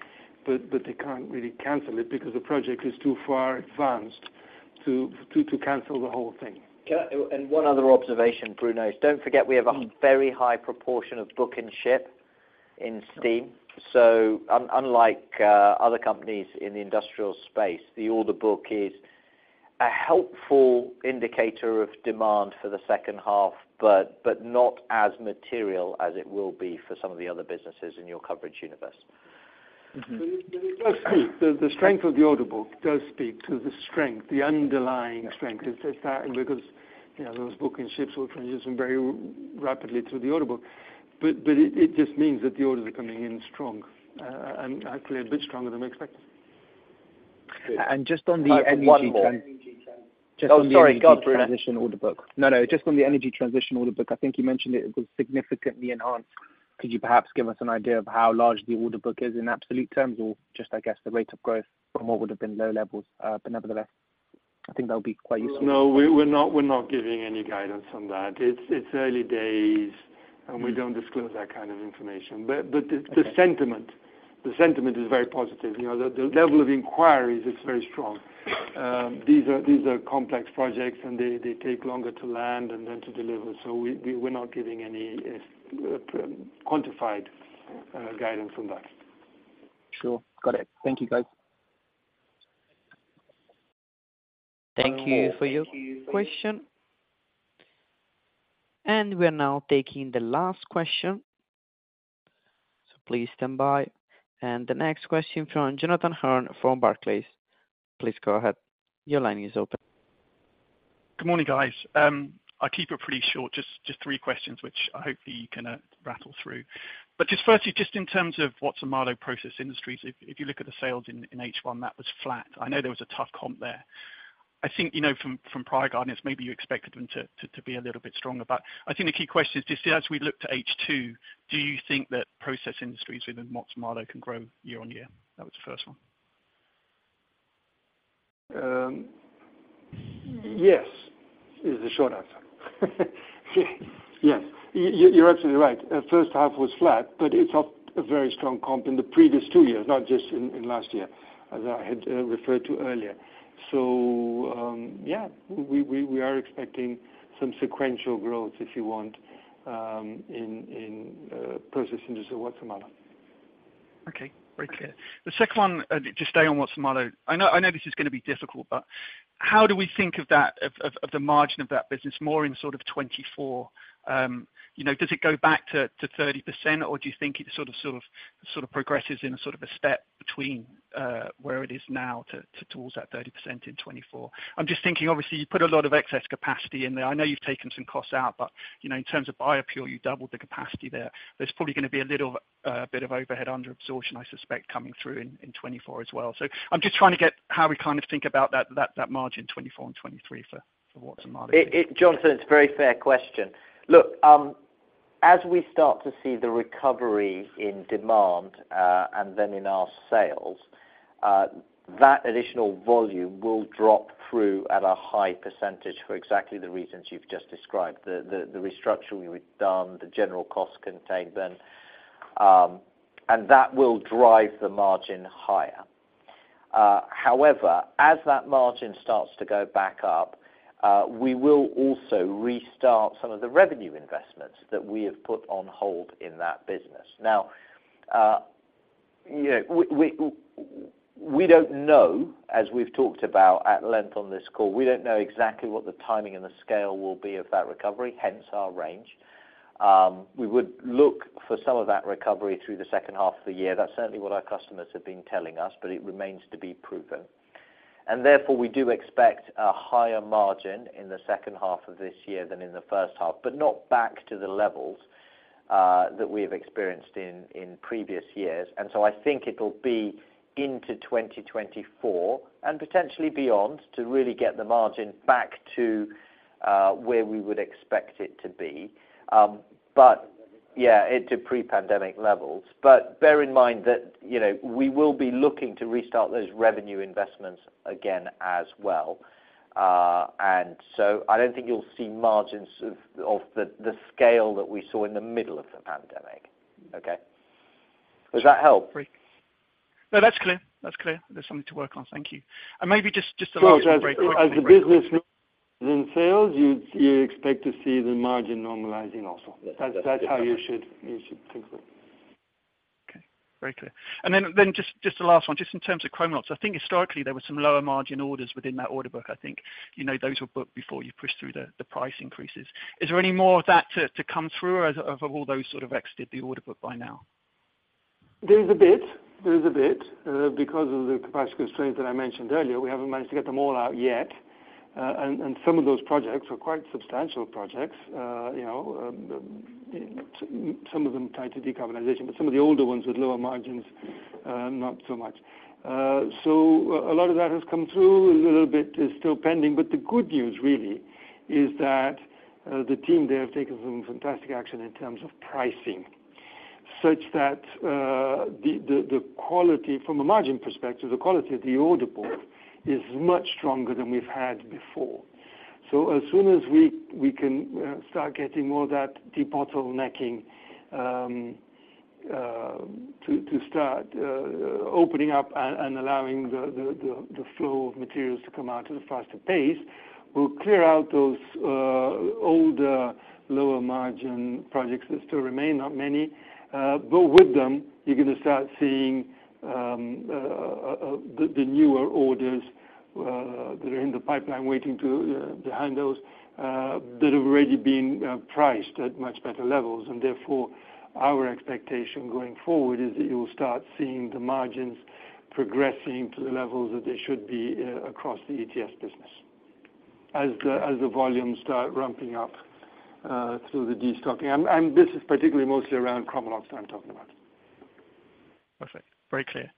but, but they can't really cancel it because the project is too far advanced to, to, to cancel the whole thing. One other observation, Bruno, is don't forget we have a very high proportion of book and ship in steam. Unlike other companies in the industrial space, the order book is a helpful indicator of demand for the second half, but not as material as it will be for some of the other businesses in your coverage universe. Mm-hmm. It does speak. The, the strength of the order book does speak to the strength, the underlying strength, is just that, because, you know, those book and ships will transition very rapidly to the order book. It, it just means that the orders are coming in strong, and actually a bit stronger than expected. Just on the energy. One more. Just on Oh, sorry, go Bruno. Transition order book. No, no, just on the energy transition order book, I think you mentioned it was significantly enhanced. Could you perhaps give us an idea of how large the order book is in absolute terms, or just, I guess, the rate of growth from what would have been low levels? Nevertheless, I think that would be quite useful. No, we're, we're not, we're not giving any guidance on that. It's, it's early days, and we don't disclose that kind of information. Okay The sentiment, the sentiment is very positive. You know, the, the level of inquiries is very strong. These are, these are complex projects, and they, they take longer to land and then to deliver. We, we, we're not giving any, quantified, guidance on that. Sure. Got it. Thank you, guys. Thank you for your question. We're now taking the last question, so please stand by. The next question from Jonathan Hurn from Barclays. Please go ahead. Your line is open. Good morning, guys. I'll keep it pretty short, just, just three questions, which I hopefully you can rattle through. Just firstly, just in terms of Watson-Marlow process industries, if, if you look at the sales in, in H1, that was flat. I know there was a tough comp there. I think, you know, from, from prior guidance, maybe you expected them to be a little bit stronger, but I think the key question is, just as we look to H2, do you think that process industries within Watson-Marlow can grow year-over-year? That was the first one. Yes, is the short answer. Yes. You, you, you're absolutely right. First half was flat, but it's off a very strong comp in the previous two years, not just in, in last year, as I had referred to earlier. Yeah, we, we, we are expecting some sequential growth, if you want, in process industry or whatsoever. Okay. Very clear. The second one, just stay on Watson-Marlow. I know, I know this is gonna be difficult, but how do we think of that, of the margin of that business more in sort of 2024? You know, does it go back to 30%, or do you think it sort of progresses in a sort of a step between where it is now towards that 30% in 2024? I'm just thinking, obviously, you put a lot of excess capacity in there. I know you've taken some costs out, but, you know, in terms of BioPure, you doubled the capacity there. There's probably gonna be a little bit of overhead under absorption, I suspect, coming through in 2024 as well. I'm just trying to get how we kind of think about that, that, that margin, 2024 and 2023 for, for what's the margin? It, Jonathan, it's a very fair question. Look, as we start to see the recovery in demand, and then in our sales, that additional volume will drop through at a high percentage for exactly the reasons you've just described. The restructure we've done, the general cost containment, and that will drive the margin higher. However, as that margin starts to go back up, we will also restart some of the revenue investments that we have put on hold in that business. Now, you know, we, we, we don't know, as we've talked about at length on this call, we don't know exactly what the timing and the scale will be of that recovery, hence our range. We would look for some of that recovery through the second half of the year. That's certainly what our customers have been telling us, but it remains to be proven. Therefore, we do expect a higher margin in the second half of this year than in the first half, but not back to the levels that we have experienced in, in previous years. I think it'll be into 2024, and potentially beyond, to really get the margin back to where we would expect it to be. Yeah, into pre-pandemic levels. Bear in mind that, you know, we will be looking to restart those revenue investments again as well. So I don't think you'll see margins of, of the, the scale that we saw in the middle of the pandemic. Okay. Does that help? Great. No, that's clear. That's clear. There's something to work on. Thank you. Maybe just, just the last one. As the business then sales, you expect to see the margin normalizing also. Yes. That's, that's how you should, you should think of it. Okay. Very clear. Then, then just, just the last one, just in terms of Chromalox. I think historically there were some lower margin orders within that order book, I think. You know, those were booked before you pushed through the, the price increases. Is there any more of that to, to come through, or as of all those sort of exited the order book by now? There is a bit, there is a bit, because of the capacity constraints that I mentioned earlier, we haven't managed to get them all out yet. Some of those projects are quite substantial projects. You know, some of them tied to decarbonization, but some of the older ones with lower margins, not so much. A lot of that has come through. A little bit is still pending, but the good news really is that the team, they have taken some fantastic action in terms of pricing, such that the, the, the quality from a margin perspective, the quality of the order board is much stronger than we've had before. As soon as we, we can start getting more of that debottlenecking to start opening up and allowing the flow of materials to come out at a faster pace, we'll clear out those older, lower margin projects that still remain, not many. With them, you're gonna start seeing the newer orders that are in the pipeline waiting to handle those that have already been priced at much better levels. Therefore, our expectation going forward is that you will start seeing the margins progressing to the levels that they should be across the ETS business. As the volumes start ramping up through the destocking. This is particularly mostly around Chromalox that I'm talking about. Perfect. Very clear.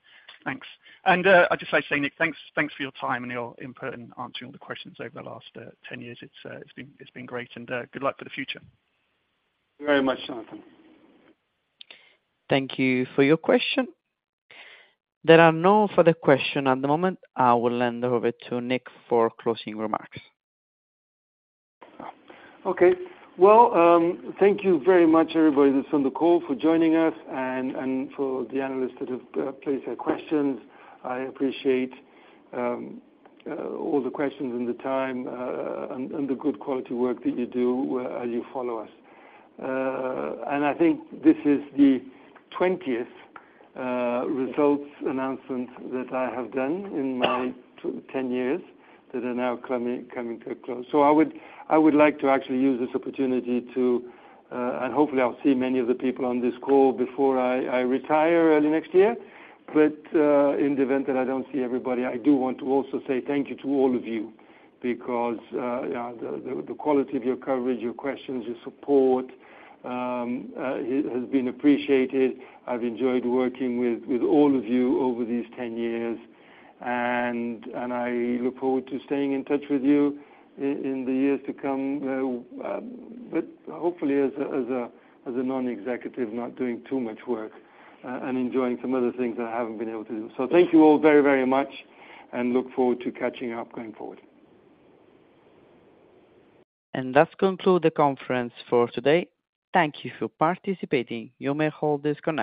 Thanks. I'd just like to say, Nick, thanks, thanks for your time and your input and answering all the questions over the last 10 years. It's, it's been, it's been great, good luck for the future. Very much, Jonathan. Thank you for your question. There are no further question at the moment. I will hand over to Nick for closing remarks. Okay. Well, thank you very much everybody that's on the call for joining us, and, and for the analysts that have placed their questions. I appreciate all the questions and the time, and, and the good quality work that you do as you follow us. I think this is the 20th results announcement that I have done in my 10 years, that are now coming, coming to a close. I would, I would like to actually use this opportunity to, and hopefully I'll see many of the people on this call before I retire early next year. In the event that I don't see everybody, I do want to also say thank you to all of you, because, yeah, the quality of your coverage, your questions, your support, has been appreciated. I've enjoyed working with, with all of you over these 10 years, and I look forward to staying in touch with you in the years to come, but hopefully as a non-executive, not doing too much work, and enjoying some other things that I haven't been able to do. Thank you all very, very much, and look forward to catching up going forward. And that concludes the conference for today. Thank you for participating. You may hold disconnect.